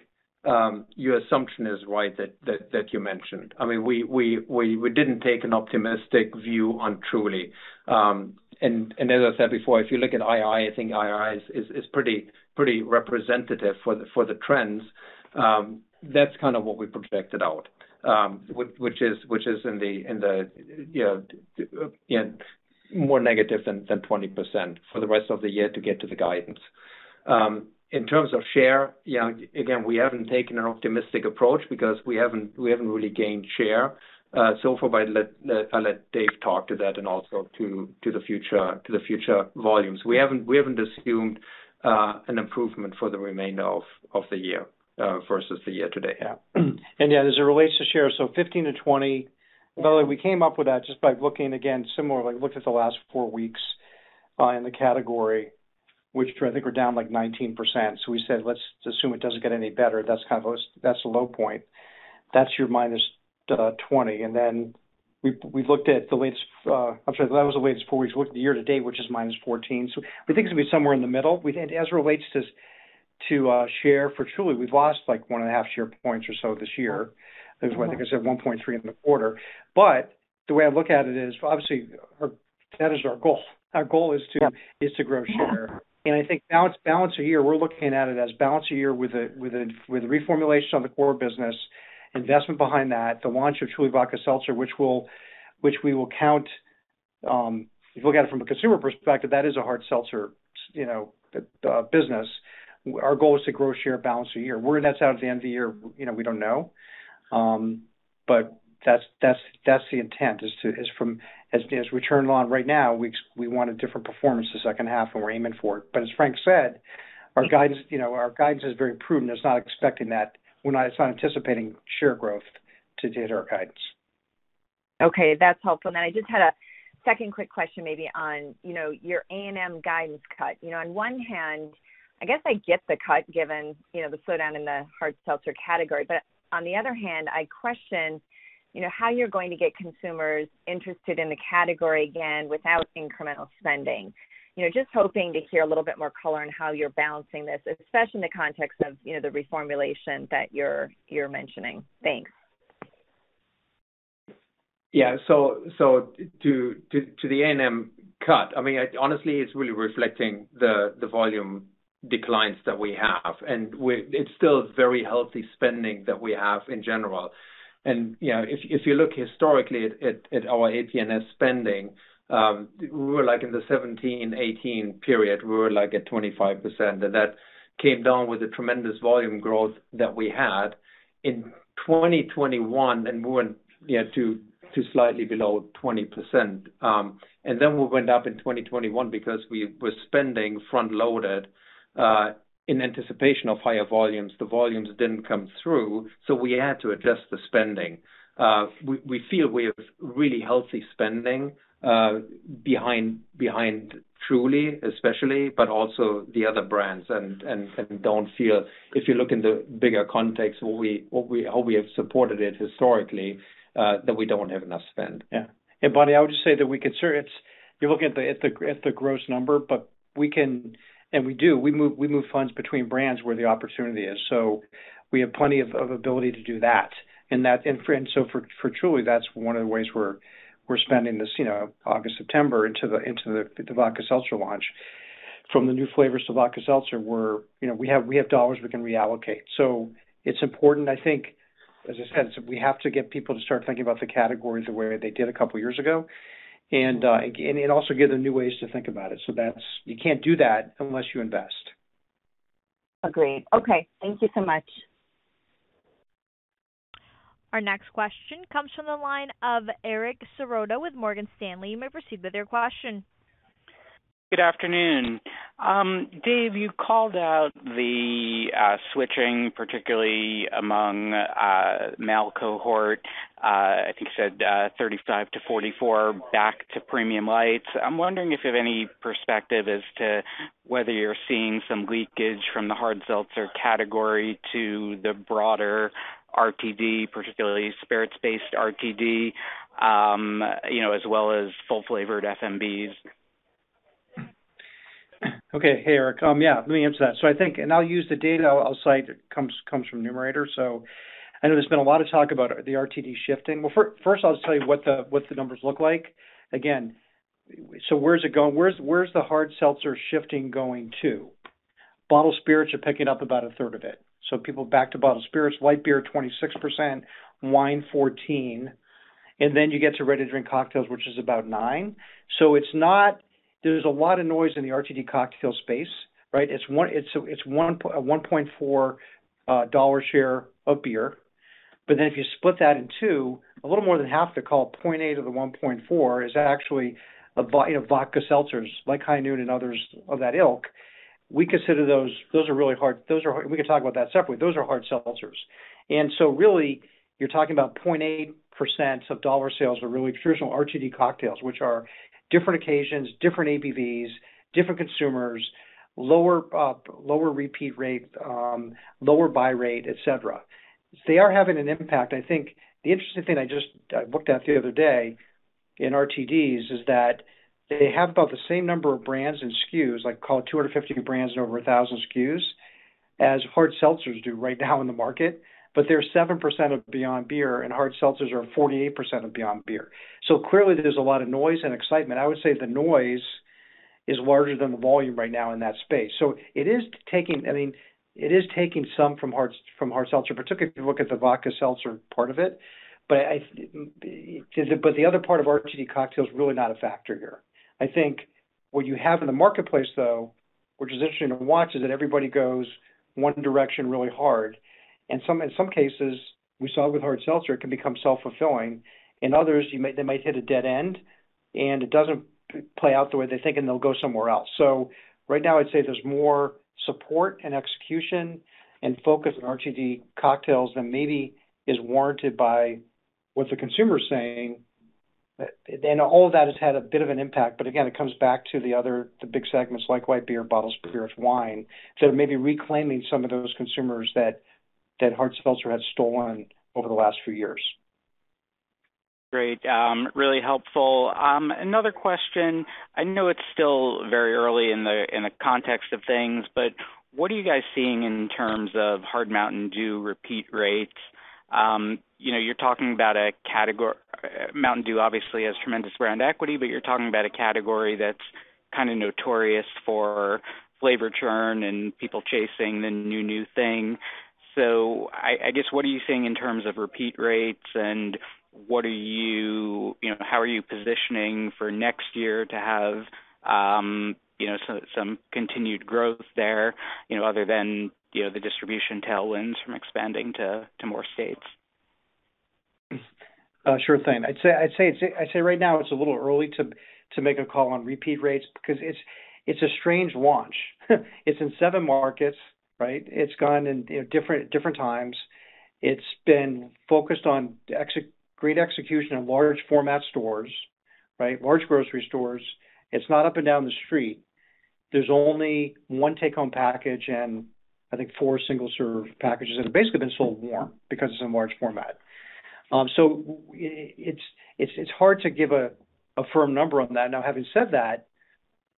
your assumption is right that you mentioned. I mean, we didn't take an optimistic view on Truly. And as I said before, if you look at IRI, I think IRI is pretty representative for the trends. That's kind of what we projected out. Which is more negative than 20% for the rest of the year to get to the guidance. In terms of share, yeah, again, we haven't taken an optimistic approach because we haven't really gained share so far. But I'll let Dave talk to that and also to the future volumes. We haven't assumed an improvement for the remainder of the year versus the year to date. As it relates to share, 15%-20%. Bonnie, we came up with that just by looking, again, similarly, looked at the last four weeks in the category, which I think we're down like 19%. We said, let's assume it doesn't get any better. That's kind of the low point. That's your -20. Then we looked at the year to date, which is -14. We think it's gonna be somewhere in the middle. We think as it relates to share for Truly, we've lost like 1.5 share points or so this year. That's what, like I said, 1.3 share points in the quarter. The way I look at it is obviously that is our goal. Our goal is to grow share. I think balance of year, we're looking at it as balance of year with a reformulation on the core business, investment behind that. The launch of Truly Vodka Seltzer, which we will count, if you look at it from a consumer perspective, that is a hard seltzer, you know, business. Our goal is to grow share balance a year. Where that's out at the end of the year, you know, we don't know. But that's the intent as we turn along right now, we want a different performance the second half, and we're aiming for it. As Frank said, our guidance, you know, our guidance is very prudent. It's not anticipating share growth to update our guidance. Okay, that's helpful. I just had a second quick question maybe on, you know, your A&M guidance cut. You know, on one hand, I guess I get the cut given, you know, the slowdown in the hard seltzer category. On the other hand, I question, you know, how you're going to get consumers interested in the category again without incremental spending. You know, just hoping to hear a little bit more color on how you're balancing this, especially in the context of, you know, the reformulation that you're mentioning. Thanks. Yeah. So to the A&M cut, I mean, honestly, it's really reflecting the volume declines that we have, and it's still very healthy spending that we have in general. You know, if you look historically at our A, P & S spending, we were like in the 2017, 2018 period, we were like at 25%, and that came down with the tremendous volume growth that we had. In 2021, and we went, you know, to slightly below 20%. Then we went up in 2021 because we were spending front-loaded in anticipation of higher volumes. The volumes didn't come through, so we had to adjust the spending. We feel we have really healthy spending behind Truly especially, but also the other brands and don't feel if you look in the bigger context, what we how we have supported it historically, that we don't have enough spend. Yeah. Bonnie, I would just say that we consider it. You're looking at the gross number, but we can, and we do, we move funds between brands where the opportunity is. We have plenty of ability to do that. For Truly, that's one of the ways we're spending this, you know, August, September into the vodka seltzer launch. From the new flavors to vodka seltzer, you know, we have dollars we can reallocate. It's important, I think, as I said, we have to get people to start thinking about the categories the way they did a couple years ago. Also give them new ways to think about it. That's it. You can't do that unless you invest. Agreed. Okay. Thank you so much. Our next question comes from the line of Eric Serotta with Morgan Stanley. You may proceed with your question. Good afternoon. Dave, you called out the switching, particularly among male cohort, I think you said, 35-year-old to 44-year-old back to premium lights. I'm wondering if you have any perspective as to whether you're seeing some leakage from the hard seltzer category to the broader RTD, particularly spirits-based RTD, you know, as well as full-flavored FMBs. Hey, Eric. Yeah, let me answer that. I think, and I'll use the data I'll cite, it comes from Numerator. I know there's been a lot of talk about the RTD shifting. First, I'll tell you what the numbers look like. Where is it going? Where is the hard seltzer shifting going to? Bottled spirits are picking up about 1/3 of it. People back to bottled spirits, light beer 26%, wine 14%, and then you get to ready-to-drink cocktails, which is about 9%. It's not. There's a lot of noise in the RTD cocktail space, right? It's a $1.4 share of beer. If you split that in two, a little more than half the ACV 0.8% of the $1.4 is actually, you know, vodka seltzers like High Noon and others of that ilk. We consider those. Those are really hard seltzers. We can talk about that separately. Those are hard seltzers. Really, you're talking about 0.8% of dollar sales are really traditional RTD cocktails, which are different occasions, different ABVs, different consumers, lower repeat rate, lower buy rate, et cetera. They are having an impact. I think the interesting thing I looked at the other day in RTDs is that they have about the same number of brands and SKUs, like call it 250 brands and over 1,000 SKUs, as hard seltzers do right now in the market. They're 7% of Beyond Beer, and hard seltzers are 48% of Beyond Beer. Clearly, there's a lot of noise and excitement. I would say the noise is larger than the volume right now in that space. It is taking, I mean, it is taking some from hard seltzer, particularly if you look at the vodka seltzer part of it. The other part of RTD cocktail is really not a factor here. I think what you have in the marketplace, though, which is interesting to watch, is that everybody goes one direction really hard. In some cases, we saw it with hard seltzer, it can become self-fulfilling. In others, they might hit a dead end, and it doesn't play out the way they think, and they'll go somewhere else. Right now, I'd say there's more support and execution and focus on RTD cocktails than maybe is warranted by what the consumer is saying. All of that has had a bit of an impact. Again, it comes back to the other, the big segments like light beer, bottled beer with wine, to maybe reclaiming some of those consumers that hard seltzer had stolen over the last few years. Great. Really helpful. Another question. I know it's still very early in the context of things, but what are you guys seeing in terms of Hard Mountain Dew repeat rates? You know, you're talking about a category, Mountain Dew obviously has tremendous brand equity, but you're talking about a category that's kinda notorious for flavor churn and people chasing the new thing. I guess, what are you seeing in terms of repeat rates and what are you know, how are you positioning for next year to have, you know, some continued growth there, you know, other than, you know, the distribution tailwinds from expanding to more states? Sure thing. I'd say right now it's a little early to make a call on repeat rates 'cause it's a strange launch. It's in seven markets, right? It's gone in, you know, different times. It's been focused on great execution in large format stores, right? Large grocery stores. It's not up and down the street. There's only one take-home package and I think four single-serve packages that have basically been sold more because it's in large format. So it's hard to give a firm number on that. Now, having said that,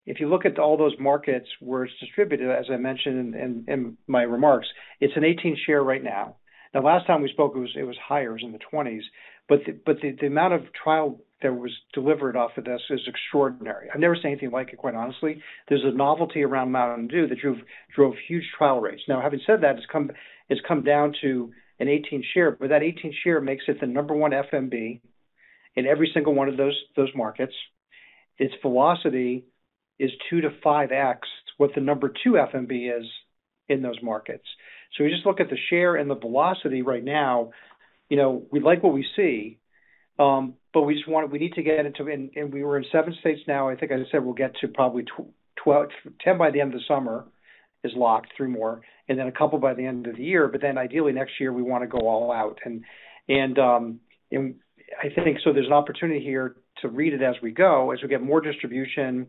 if you look at all those markets where it's distributed, as I mentioned in my remarks, it's an 18 share right now. The last time we spoke, it was higher, it was in the 20s. The amount of trial that was delivered off of this is extraordinary. I've never seen anything like it, quite honestly. There's a novelty around Mountain Dew that drove huge trial rates. Now, having said that, it's come down to an 18 share, but that 18 share makes it the number one FMB in every single one of those markets. Its velocity is 2x-5x what the number two FMB is in those markets. So we just look at the share and the velocity right now, you know, we like what we see, but we just wanna we need to get into. We were in seven states now. I think I just said we'll get to probably 10 states by the end of the summer, three states more locked, and then a couple by the end of the year. Ideally, next year, we wanna go all out. I think so there's an opportunity here to repeat as we go, as we get more distribution,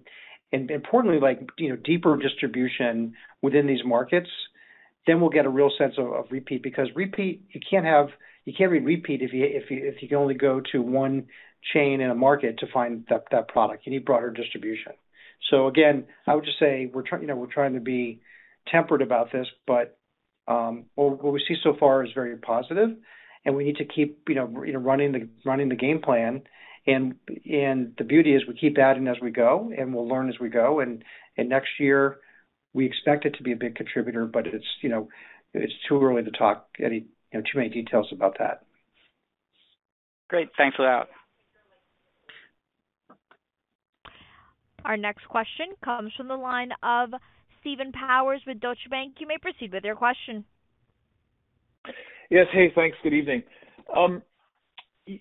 and importantly, like, you know, deeper distribution within these markets. Then we'll get a real sense of repeat, because you can't repeat if you can only go to one chain in a market to find that product. You need broader distribution. Again, I would just say we're trying, you know, to be temperate about this, but what we see so far is very positive, and we need to keep, you know, running the game plan. The beauty is we keep adding as we go, and we'll learn as we go. Next year we expect it to be a big contributor, but it's, you know, too early to talk any, you know, too many details about that. Great. Thanks for that. Our next question comes from the line of Stephen Powers with Deutsche Bank. You may proceed with your question. Yes. Hey, thanks. Good evening.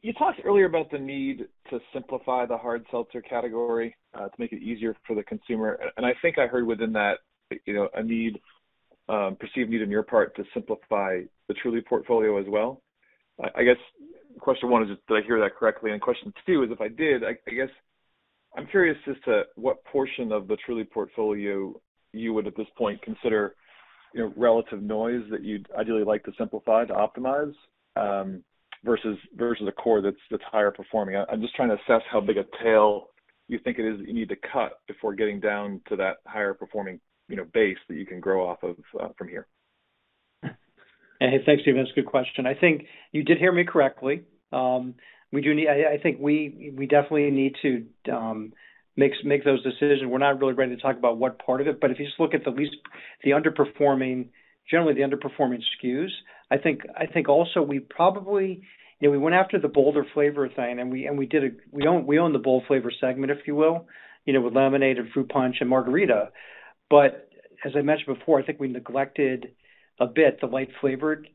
You talked earlier about the need to simplify the hard seltzer category to make it easier for the consumer. I think I heard within that, you know, a perceived need on your part to simplify the Truly portfolio as well. I guess question one is, did I hear that correctly? Question two is, if I did, I guess I'm curious as to what portion of the Truly portfolio you would at this point consider, you know, relative noise that you'd ideally like to simplify, to optimize versus the core that's higher performing. I'm just trying to assess how big a tail you think it is that you need to cut before getting down to that higher performing, you know, base that you can grow off of from here. Hey, thanks, Stephen. That's a good question. I think you did hear me correctly. We do need. I think we definitely need to make those decisions. We're not really ready to talk about what part of it, but if you just look at the underperforming, generally the underperforming SKUs. I think also we probably, you know, we went after the bolder flavor thing and we did a. We own the bold flavor segment, if you will, you know, with lemonade and fruit punch and margarita. But as I mentioned before, I think we neglected a bit the light flavored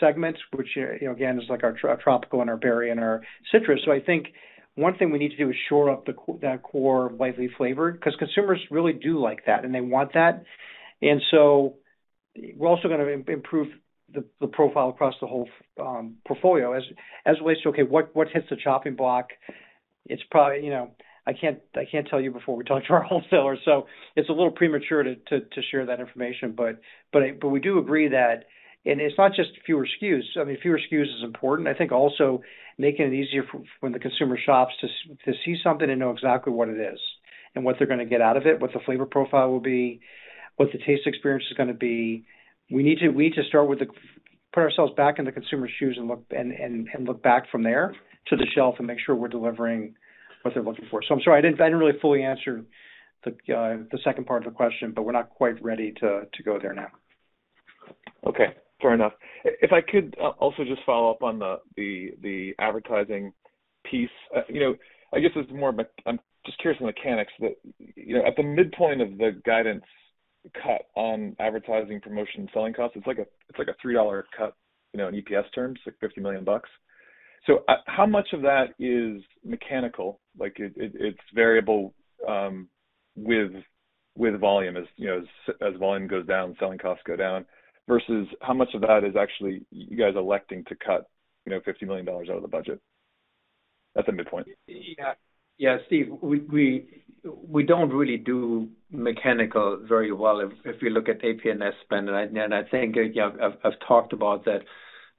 segments, which, you know, again, is like our tropical and our berry and our citrus. I think one thing we need to do is shore up that core lightly flavored, 'cause consumers really do like that, and they want that. We're also gonna improve the profile across the whole portfolio. As relates to, okay, what hits the chopping block, it's probably, you know. I can't tell you before we talk to our wholesalers. It's a little premature to share that information. We do agree that. It's not just fewer SKUs. I mean, fewer SKUs is important. I think also making it easier for when the consumer shops to see something and know exactly what it is and what they're gonna get out of it, what the flavor profile will be, what the taste experience is gonna be. We need to start with the. Put ourselves back in the consumer's shoes and look back from there to the shelf and make sure we're delivering what they're looking for. I'm sorry I didn't really fully answer the second part of the question, but we're not quite ready to go there now. Okay. Fair enough. If I could also just follow up on the advertising piece. You know, I guess it's more of a, I'm just curious on the mechanics that, you know, at the midpoint of the guidance cut on advertising, promotion, and selling costs, it's like a $3 cut, you know, in EPS terms, like $50 million. So how much of that is mechanical? Like, it's variable with volume as, you know, as volume goes down, selling costs go down. Versus how much of that is actually you guys electing to cut, you know, $50 million out of the budget at the midpoint? Yeah. Yeah, Steve, we don't really do mechanical very well if you look at A, P & S spend. I think, you know, I've talked about that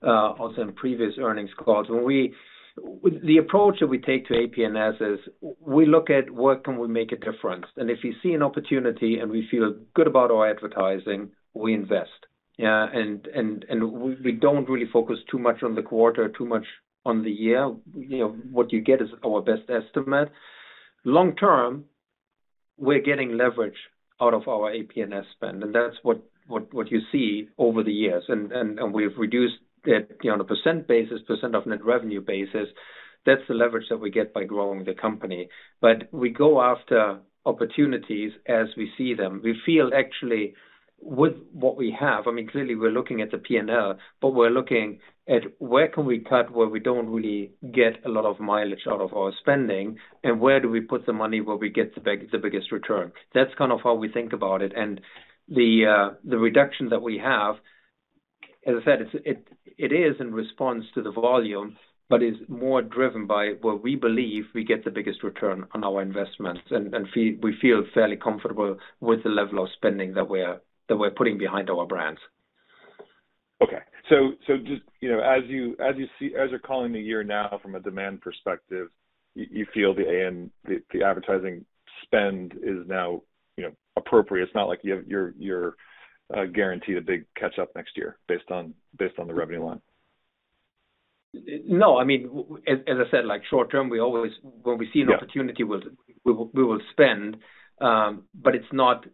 also in previous earnings calls. The approach that we take to A, P & S is we look at where can we make a difference. If we see an opportunity and we feel good about our advertising, we invest. Yeah. We don't really focus too much on the quarter, too much on the year. You know, what you get is our best estimate. Long term, we're getting leverage out of our A, P & S spend, and that's what you see over the years. We've reduced it on a percent basis, percent of net revenue basis. That's the leverage that we get by growing the company. We go after opportunities as we see them. We feel actually with what we have, I mean, clearly we're looking at the P&L, but we're looking at where can we cut, where we don't really get a lot of mileage out of our spending, and where do we put the money where we get the biggest return? That's kind of how we think about it. The reduction that we have, as I said, it is in response to the volume, but is more driven by where we believe we get the biggest return on our investments. We feel fairly comfortable with the level of spending that we're putting behind our brands. Okay. Just, you know, as you're calling the year now from a demand perspective, you feel the advertising spend is now, you know, appropriate. It's not like you're guaranteed a big catch-up next year based on the revenue line. No. I mean, as I said, like short term, we always, when we see- Yeah. An opportunity, we will spend, but it's not.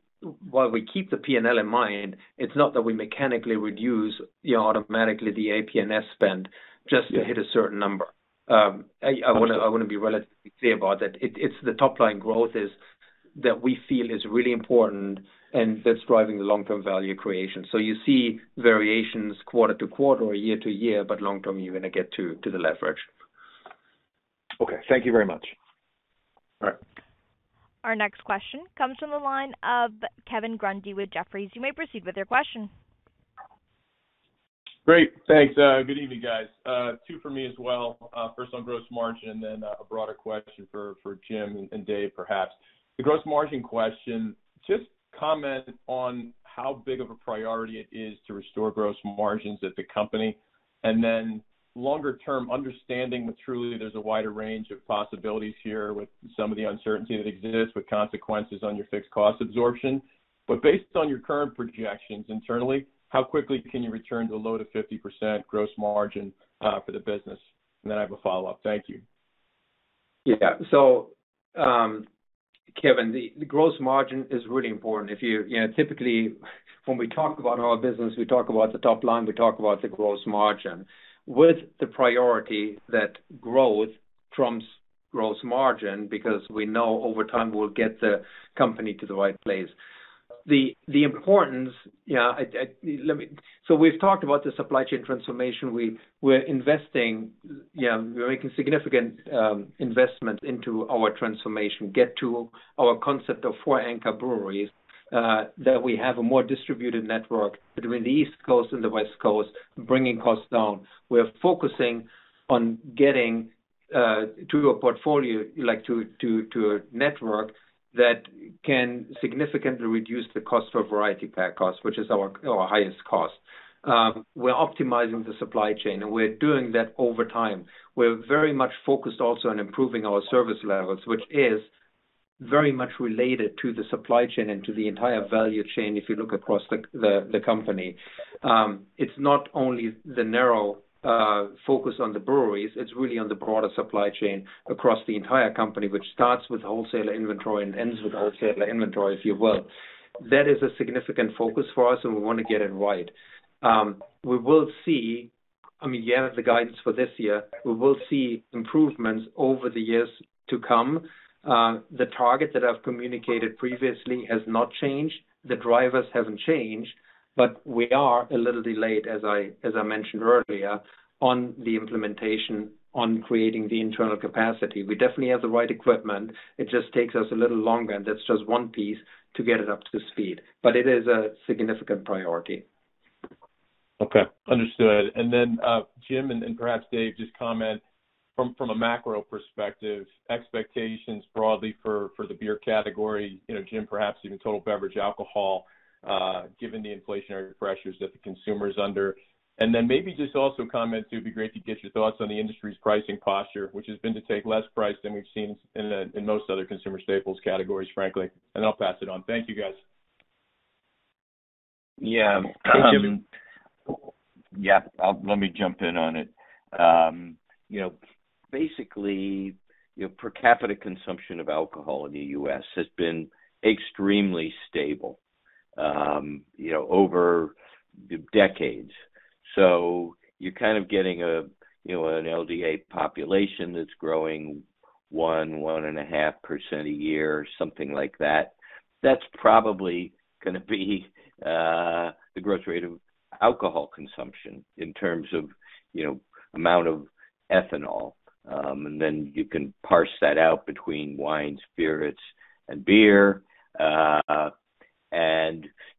While we keep the P&L in mind, it's not that we mechanically reduce, you know, automatically the A, P & S spend just to hit a certain number. I wanna be relatively clear about that. It's the top line growth that we feel is really important and that's driving the long-term value creation. You see variations quarter to quarter or year to year, but long term, you're gonna get to the leverage. Okay. Thank you very much. All right. Our next question comes from the line of Kevin Grundy with Jefferies. You may proceed with your question. Great. Thanks. Good evening, guys. Two for me as well. First on gross margin, and then a broader question for Jim and Dave, perhaps. The gross margin question, just comment on how big of a priority it is to restore gross margins at the company. Longer term, understanding that Truly there's a wider range of possibilities here with some of the uncertainty that exists with consequences on your fixed cost absorption. Based on your current projections internally, how quickly can you return to low to 50% gross margin for the business? I have a follow-up. Thank you. Yeah. Kevin, the gross margin is really important. You know, typically, when we talk about our business, we talk about the top line, we talk about the gross margin, with the priority that growth trumps gross margin, because we know over time we'll get the company to the right place. Let me. We've talked about the supply chain transformation. We're investing, we're making significant investments into our transformation, get to our concept of four anchor breweries, that we have a more distributed network between the East Coast and the West Coast, bringing costs down. We are focusing on getting to a portfolio like to a network that can significantly reduce the cost of variety pack costs, which is our highest cost. We're optimizing the supply chain, and we're doing that over time. We're very much focused also on improving our service levels, which is very much related to the supply chain and to the entire value chain if you look across the company. It's not only the narrow focus on the breweries, it's really on the broader supply chain across the entire company, which starts with wholesaler inventory and ends with wholesaler inventory, if you will. That is a significant focus for us, and we wanna get it right. We will see, I mean, yeah, the guidance for this year, we will see improvements over the years to come. The target that I've communicated previously has not changed. The drivers haven't changed, but we are a little delayed, as I mentioned earlier, on the implementation on creating the internal capacity. We definitely have the right equipment. It just takes us a little longer, and that's just one piece to get it up to speed. It is a significant priority. Okay. Understood. Jim, and perhaps Dave, just comment from a macro perspective, expectations broadly for the beer category, you know, Jim, perhaps even total beverage alcohol, given the inflationary pressures that the consumer is under. Maybe just also comment, it'd be great to get your thoughts on the industry's pricing posture, which has been to take less price than we've seen in most other consumer staples categories, frankly. I'll pass it on. Thank you, guys. Yeah. Hey, Jim. Yeah, let me jump in on it. You know, basically, you know, per capita consumption of alcohol in the U.S. has been extremely stable, you know, over decades. You're kind of getting a, you know, an LDA population that's growing 1.5% a year or something like that. That's probably gonna be the growth rate of alcohol consumption in terms of, you know, amount of ethanol. Then you can parse that out between wine, spirits, and beer.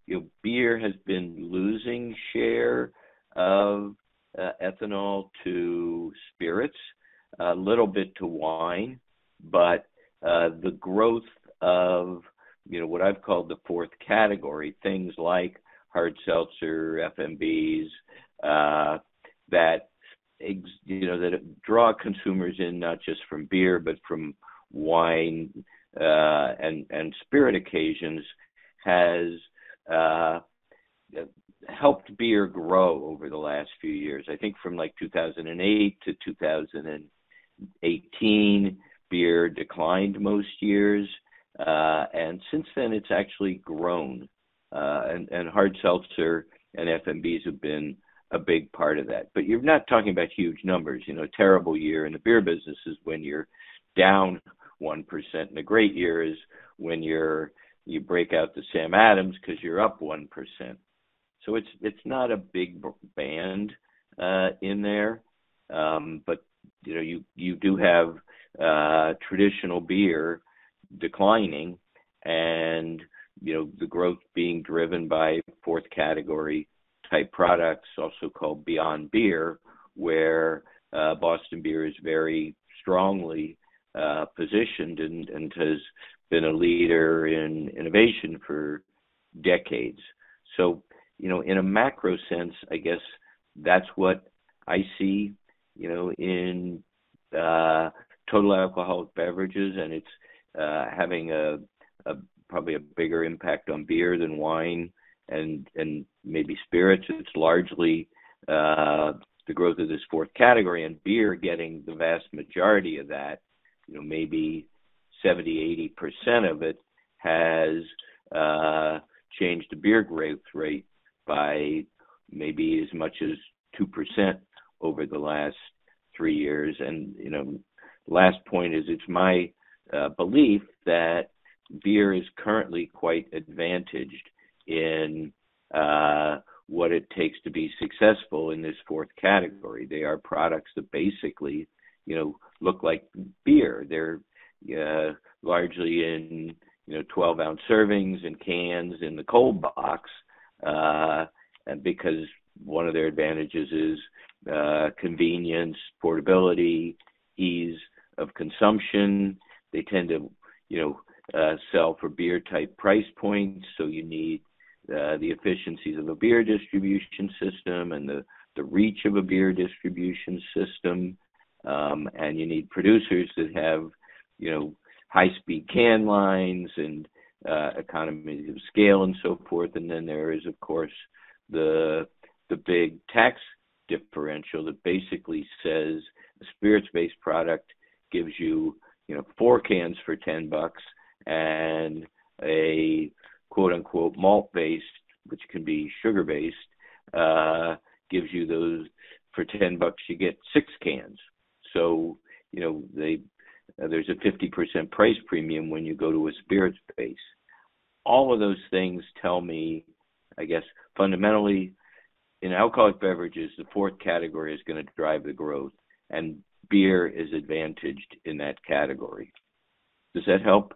You know, beer has been losing share of ethanol to spirits, a little bit to wine. The growth of, you know, what I've called the fourth category, things like hard seltzer, FMBs, that you know, that draw consumers in not just from beer, but from wine, and spirit occasions has helped beer grow over the last few years. I think from like 2008 to 2018, beer declined most years. Since then, it's actually grown, and hard seltzer and FMBs have been a big part of that. You're not talking about huge numbers. You know, a terrible year in the beer business is when you're down 1%, and a great year is when you break out the Sam Adams 'cause you're up 1%. It's not a big band in there. You know, you do have traditional beer declining and you know the growth being driven by fourth category type products, also called Beyond Beer, where Boston Beer is very strongly positioned and has been a leader in innovation for decades. You know, in a macro sense, I guess that's what I see, you know in total alcoholic beverages, and it's having probably a bigger impact on beer than wine and maybe spirits. It's largely the growth of this fourth category, and beer getting the vast majority of that, you know, maybe 70%, 80% of it has changed the beer growth rate by maybe as much as 2% over the last three years. You know, last point is it's my belief that beer is currently quite advantaged in what it takes to be successful in this fourth category. They are products that basically, you know, look like beer. They're largely in, you know, 12-ounce servings and cans in the cold box, and because one of their advantages is convenience, portability, ease of consumption. They tend to, you know, sell for beer type price points, so you need the efficiencies of a beer distribution system and the reach of a beer distribution system. You need producers that have, you know, high speed can lines and economy of scale and so forth. There is, of course, the big tax differential that basically says a spirits-based product gives you know, four cans for $10 and a quote-unquote malt-based, which can be sugar-based, gives you those for $10, you get six cans. You know, there's a 50% price premium when you go to a spirits base. All of those things tell me, I guess, fundamentally, in alcoholic beverages, the fourth category is gonna drive the growth, and beer is advantaged in that category. Does that help?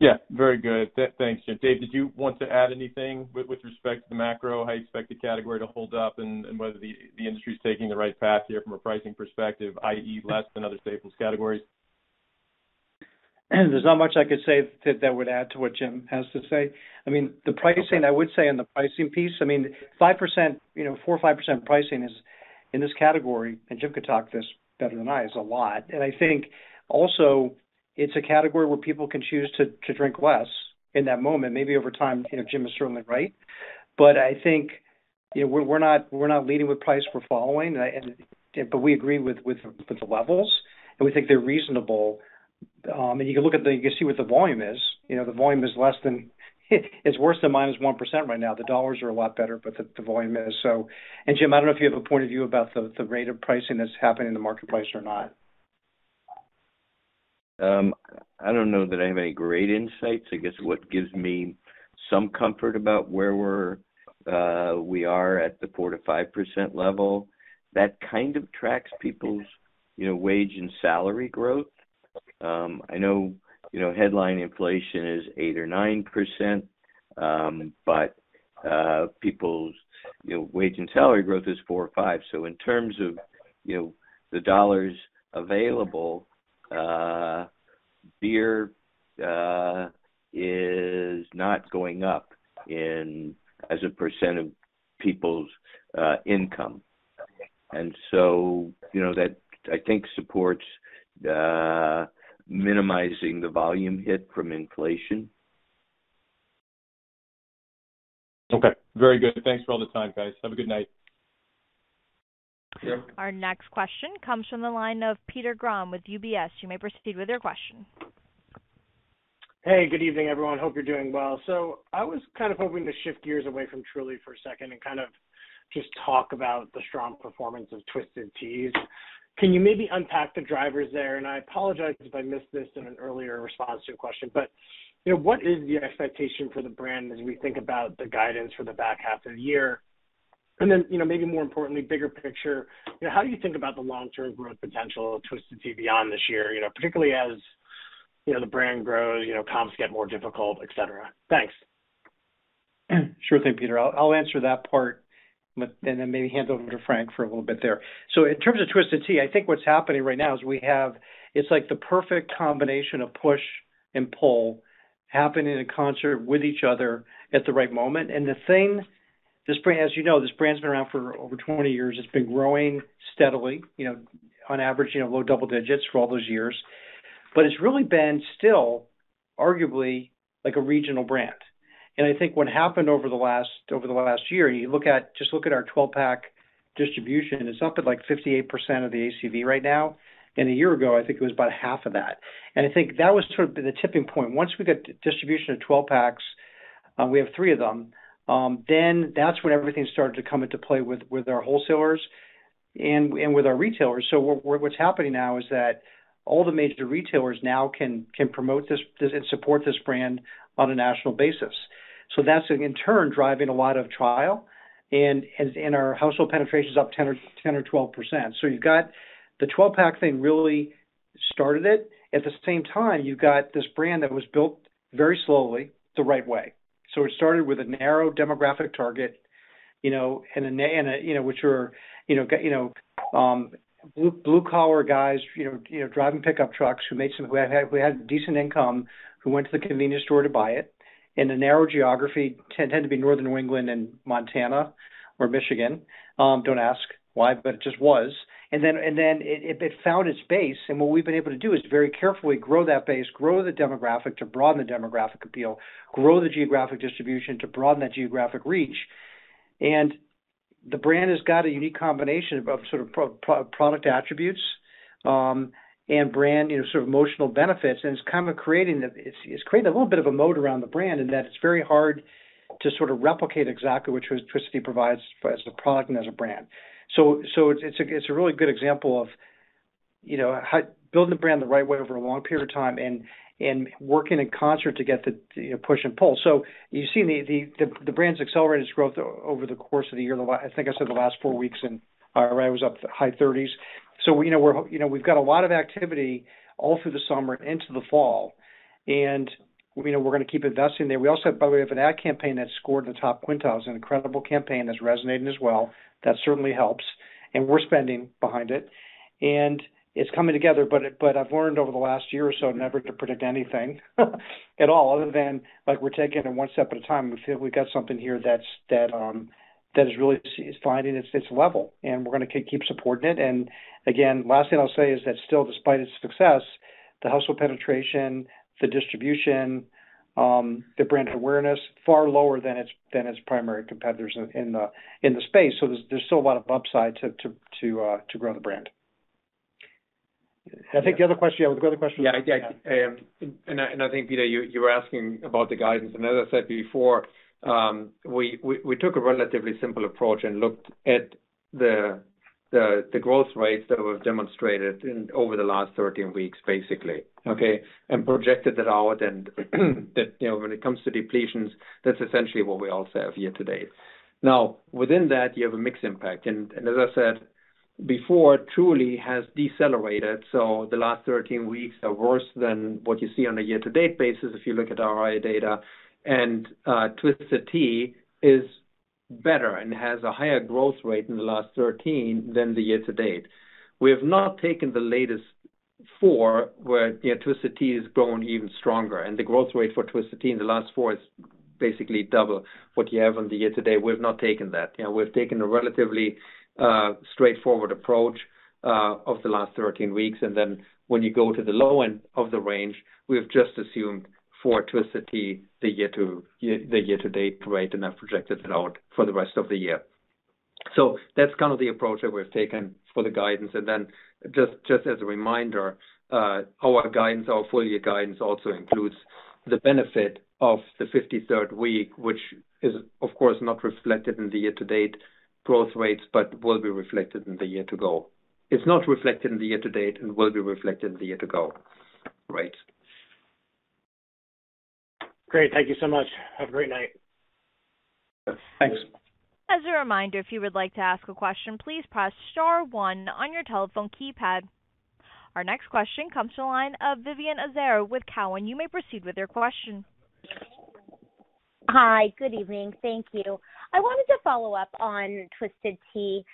Yeah, very good. Thanks, Jim. Dave, did you want to add anything with respect to the macro, how you expect the category to hold up and whether the industry is taking the right path here from a pricing perspective, i.e., less than other staples categories? There's not much I could say that would add to what Jim has to say. I mean, the pricing, I would say on the pricing piece, I mean, 5%, you know, 4% or 5% pricing is in this category, and Jim could talk this better than I, is a lot. I think also it's a category where people can choose to drink less in that moment, maybe over time, you know, Jim is certainly right. I think, you know, we're not leading with price, we're following. We agree with the levels, and we think they're reasonable. You can see what the volume is. You know, the volume is worse than -1% right now. The dollars are a lot better, but the volume is. Jim, I don't know if you have a point of view about the rate of pricing that's happening in the marketplace or not? I don't know that I have any great insights. I guess what gives me some comfort about where we are at the 4%-5% level, that kind of tracks people's, you know, wage and salary growth. I know, you know, headline inflation is 8% or 9%, but people's, you know, wage and salary growth is 4%-5%. In terms of, you know, the dollars available, beer is not going up in as a percent of people's income. That, I think, supports minimizing the volume hit from inflation. Okay. Very good. Thanks for all the time, guys. Have a good night. Sure. Our next question comes from the line of Peter Grom with UBS. You may proceed with your question. Hey, good evening, everyone. Hope you're doing well. I was kind of hoping to shift gears away from Truly for a second and kind of just talk about the strong performance of Twisted Tea. Can you maybe unpack the drivers there? I apologize if I missed this in an earlier response to a question, but, you know, what is the expectation for the brand as we think about the guidance for the back half of the year? Then, you know, maybe more importantly, bigger picture, you know, how do you think about the long-term growth potential of Twisted Tea beyond this year, you know, particularly as, you know, the brand grows, you know, comps get more difficult, et cetera? Thanks. Sure thing, Peter. I'll answer that part, but then maybe hand it over to Frank for a little bit there. In terms of Twisted Tea, I think what's happening right now is we have. It's like the perfect combination of push and pull happening in concert with each other at the right moment. The thing, this brand, as you know, this brand's been around for over 20 years. It's been growing steadily, you know, on average, you know, low double digits for all those years. It's really been still arguably like a regional brand. I think what happened over the last year, just look at our 12-pack distribution, it's up at, like, 58% of the ACV right now. A year ago, I think it was about half of that. I think that was sort of the tipping point. Once we get distribution of 12-packs, we have three of them, then that's when everything started to come into play with our wholesalers and with our retailers. What's happening now is that all the major retailers now can promote this and support this brand on a national basis. That's, in turn, driving a lot of trial and our household penetration is up 10% or 12%. You've got the 12-pack thing really started it. At the same time, you've got this brand that was built very slowly, the right way. It started with a narrow demographic target, you know, and a, you know, which were, you know, blue collar guys, you know, driving pickup trucks who had decent income, who went to the convenience store to buy it. In a narrow geography, tend to be Northern New England and Montana or Michigan. Don't ask why, but it just was. Then it found its base. What we've been able to do is very carefully grow that base, grow the demographic to broaden the demographic appeal, grow the geographic distribution to broaden that geographic reach. The brand has got a unique combination of sort of product attributes and brand, you know, sort of emotional benefits. It's kind of creating the. It's creating a little bit of a moat around the brand in that it's very hard to sort of replicate exactly what Twisted Tea provides as a product and as a brand. It's a really good example of you know how building the brand the right way over a long period of time and working in concert to get you know the push and pull. You've seen the brand's accelerated its growth over the course of the year. I think I said the last four weeks and IRI was up high 30s%. We you know we've got a lot of activity all through the summer into the fall, and you know we're gonna keep investing there. We also have, by the way, an ad campaign that scored in the top quintile. It's an incredible campaign that's resonating as well. That certainly helps. We're spending behind it, and it's coming together. I've learned over the last year or so never to predict anything at all, other than, like, we're taking it one step at a time. We feel we've got something here that's finding its level, and we're gonna keep supporting it. Again, last thing I'll say is that still, despite its success, the household penetration, the distribution, the brand awareness, far lower than its primary competitors in the space. There's still a lot of upside to grow the brand. I think the other question. Yeah. Yeah. I think, Peter, you were asking about the guidance. As I said before, we took a relatively simple approach and looked at the growth rates that were demonstrated over the last 13 weeks, basically, okay? Projected that out and that, you know, when it comes to depletions, that's essentially what we all sell year to date. Now, within that, you have a mix impact. As I said before, Truly has decelerated, so the last 13 weeks are worse than what you see on a year to date basis if you look at IRI data. Twisted Tea is better and has a higher growth rate in the last 13 weeks than the year to date. We have not taken the latest four, where, you know, Twisted Tea has grown even stronger, and the growth rate for Twisted Tea in the last four is basically double what you have on the year to date. We've not taken that. You know, we've taken a relatively straightforward approach of the last 13 weeks, and then when you go to the low end of the range, we have just assumed for Twisted Tea the year to date rate, and I've projected it out for the rest of the year. That's kind of the approach that we've taken for the guidance. Just as a reminder, our guidance, our full year guidance also includes the benefit of the 53rd week, which is of course not reflected in the year to date growth rates, but will be reflected in the year to go. It's not reflected in the year to date and will be reflected in the year to go rates. Great. Thank you so much. Have a great night. Thanks. As a reminder, if you would like to ask a question, please press star one on your telephone keypad. Our next question comes to the line of Vivien Azer with Cowen. You may proceed with your question. Hi. Good evening. Thank you. I wanted to follow up on Twisted Tea.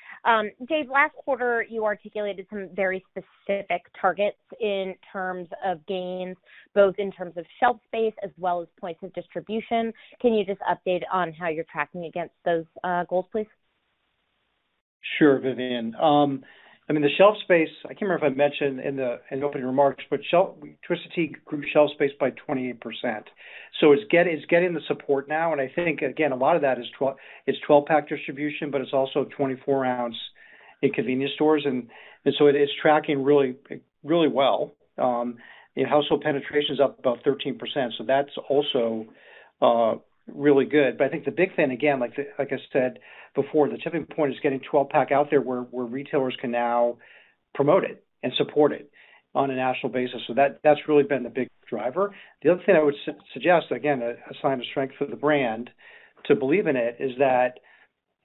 Dave, last quarter, you articulated some very specific targets in terms of gains, both in terms of shelf space as well as points of distribution. Can you just update on how you're tracking against those goals, please? Sure, Vivien. The shelf space, I can't remember if I mentioned in the opening remarks, but Twisted Tea grew shelf space by 28%. It's getting the support now, and I think, again, a lot of that is 12-pack distribution, but it's also 24-ounce in convenience stores. So it is tracking really well. You know, household penetration is up about 13%, so that's also really good. I think the big thing, again, like I said before, the tipping point is getting a 12-pack out there where retailers can now promote it and support it on a national basis. That's really been the big driver. The other thing I would suggest, again, a sign of strength for the brand to believe in it is that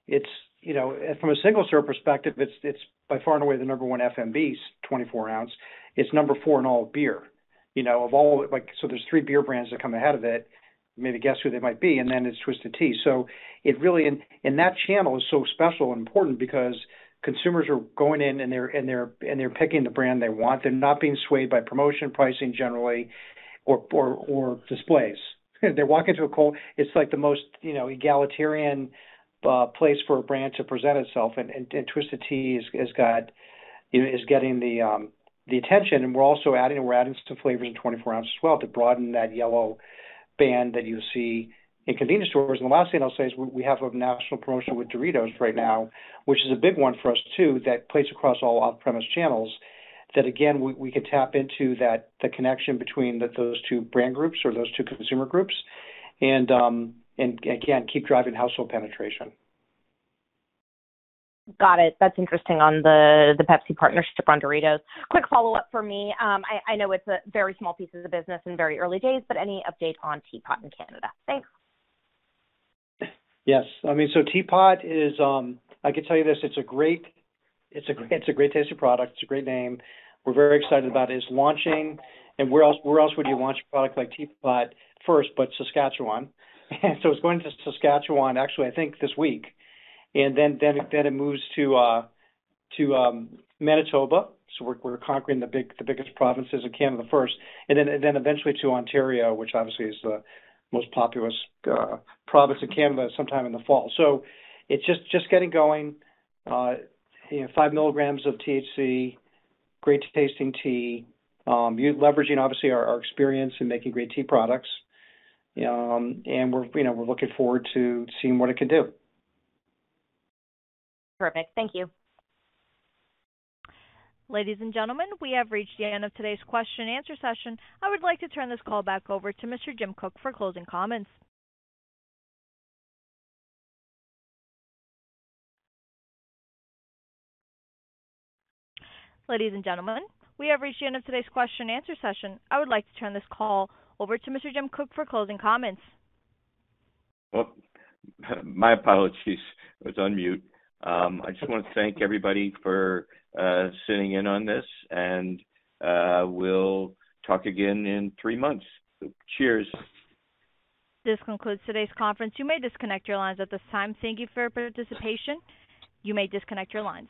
it's, you know, from a single serve perspective, it's by far and away the number one FMBs, 24-ounce. It's number four in all of beer. You know, of all like, so there's three beer brands that come ahead of it. You maybe guess who they might be, and then it's Twisted Tea. It really and that channel is so special and important because consumers are going in and they're picking the brand they want. They're not being swayed by promotion pricing generally or displays. They walk into a cold. It's like the most, you know, egalitarian place for a brand to present itself, and Twisted Tea has got, you know, is getting the attention. We're also adding some flavors in 24 ounce as well to broaden that yellow band that you see in convenience stores. The last thing I'll say is we have a national promotion with Doritos right now, which is a big one for us, too, that plays across all off-premise channels, that again, we could tap into that, the connection between those two brand groups or those two consumer groups. Again, keep driving household penetration. Got it. That's interesting on the Pepsi partnership on Doritos. Quick follow-up for me. I know it's a very small piece of the business in very early days, but any update on TeaPot in Canada? Thanks. Yes. I mean, TeaPot is, I can tell you this, it's a great tasting product. It's a great name. We're very excited about its launching. Where else would you launch a product like TeaPot first, but Saskatchewan? It's going to Saskatchewan actually I think this week. It moves to Manitoba. We're conquering the biggest provinces of Canada first, and then eventually to Ontario, which obviously is the most populous province of Canada, sometime in the fall. It's just getting going. You know, 5 mg of THC, great tasting tea. You're leveraging obviously our experience in making great tea products. You know, we're looking forward to seeing what it can do. Perfect. Thank you. Ladies and gentlemen, we have reached the end of today's question and answer session. I would like to turn this call over to Mr. Jim Koch for closing comments. Well, my apologies. I was on mute. I just wanna thank everybody for sitting in on this, and we'll talk again in three months. Cheers. This concludes today's conference. You may disconnect your lines at this time. Thank you for your participation. You may disconnect your lines.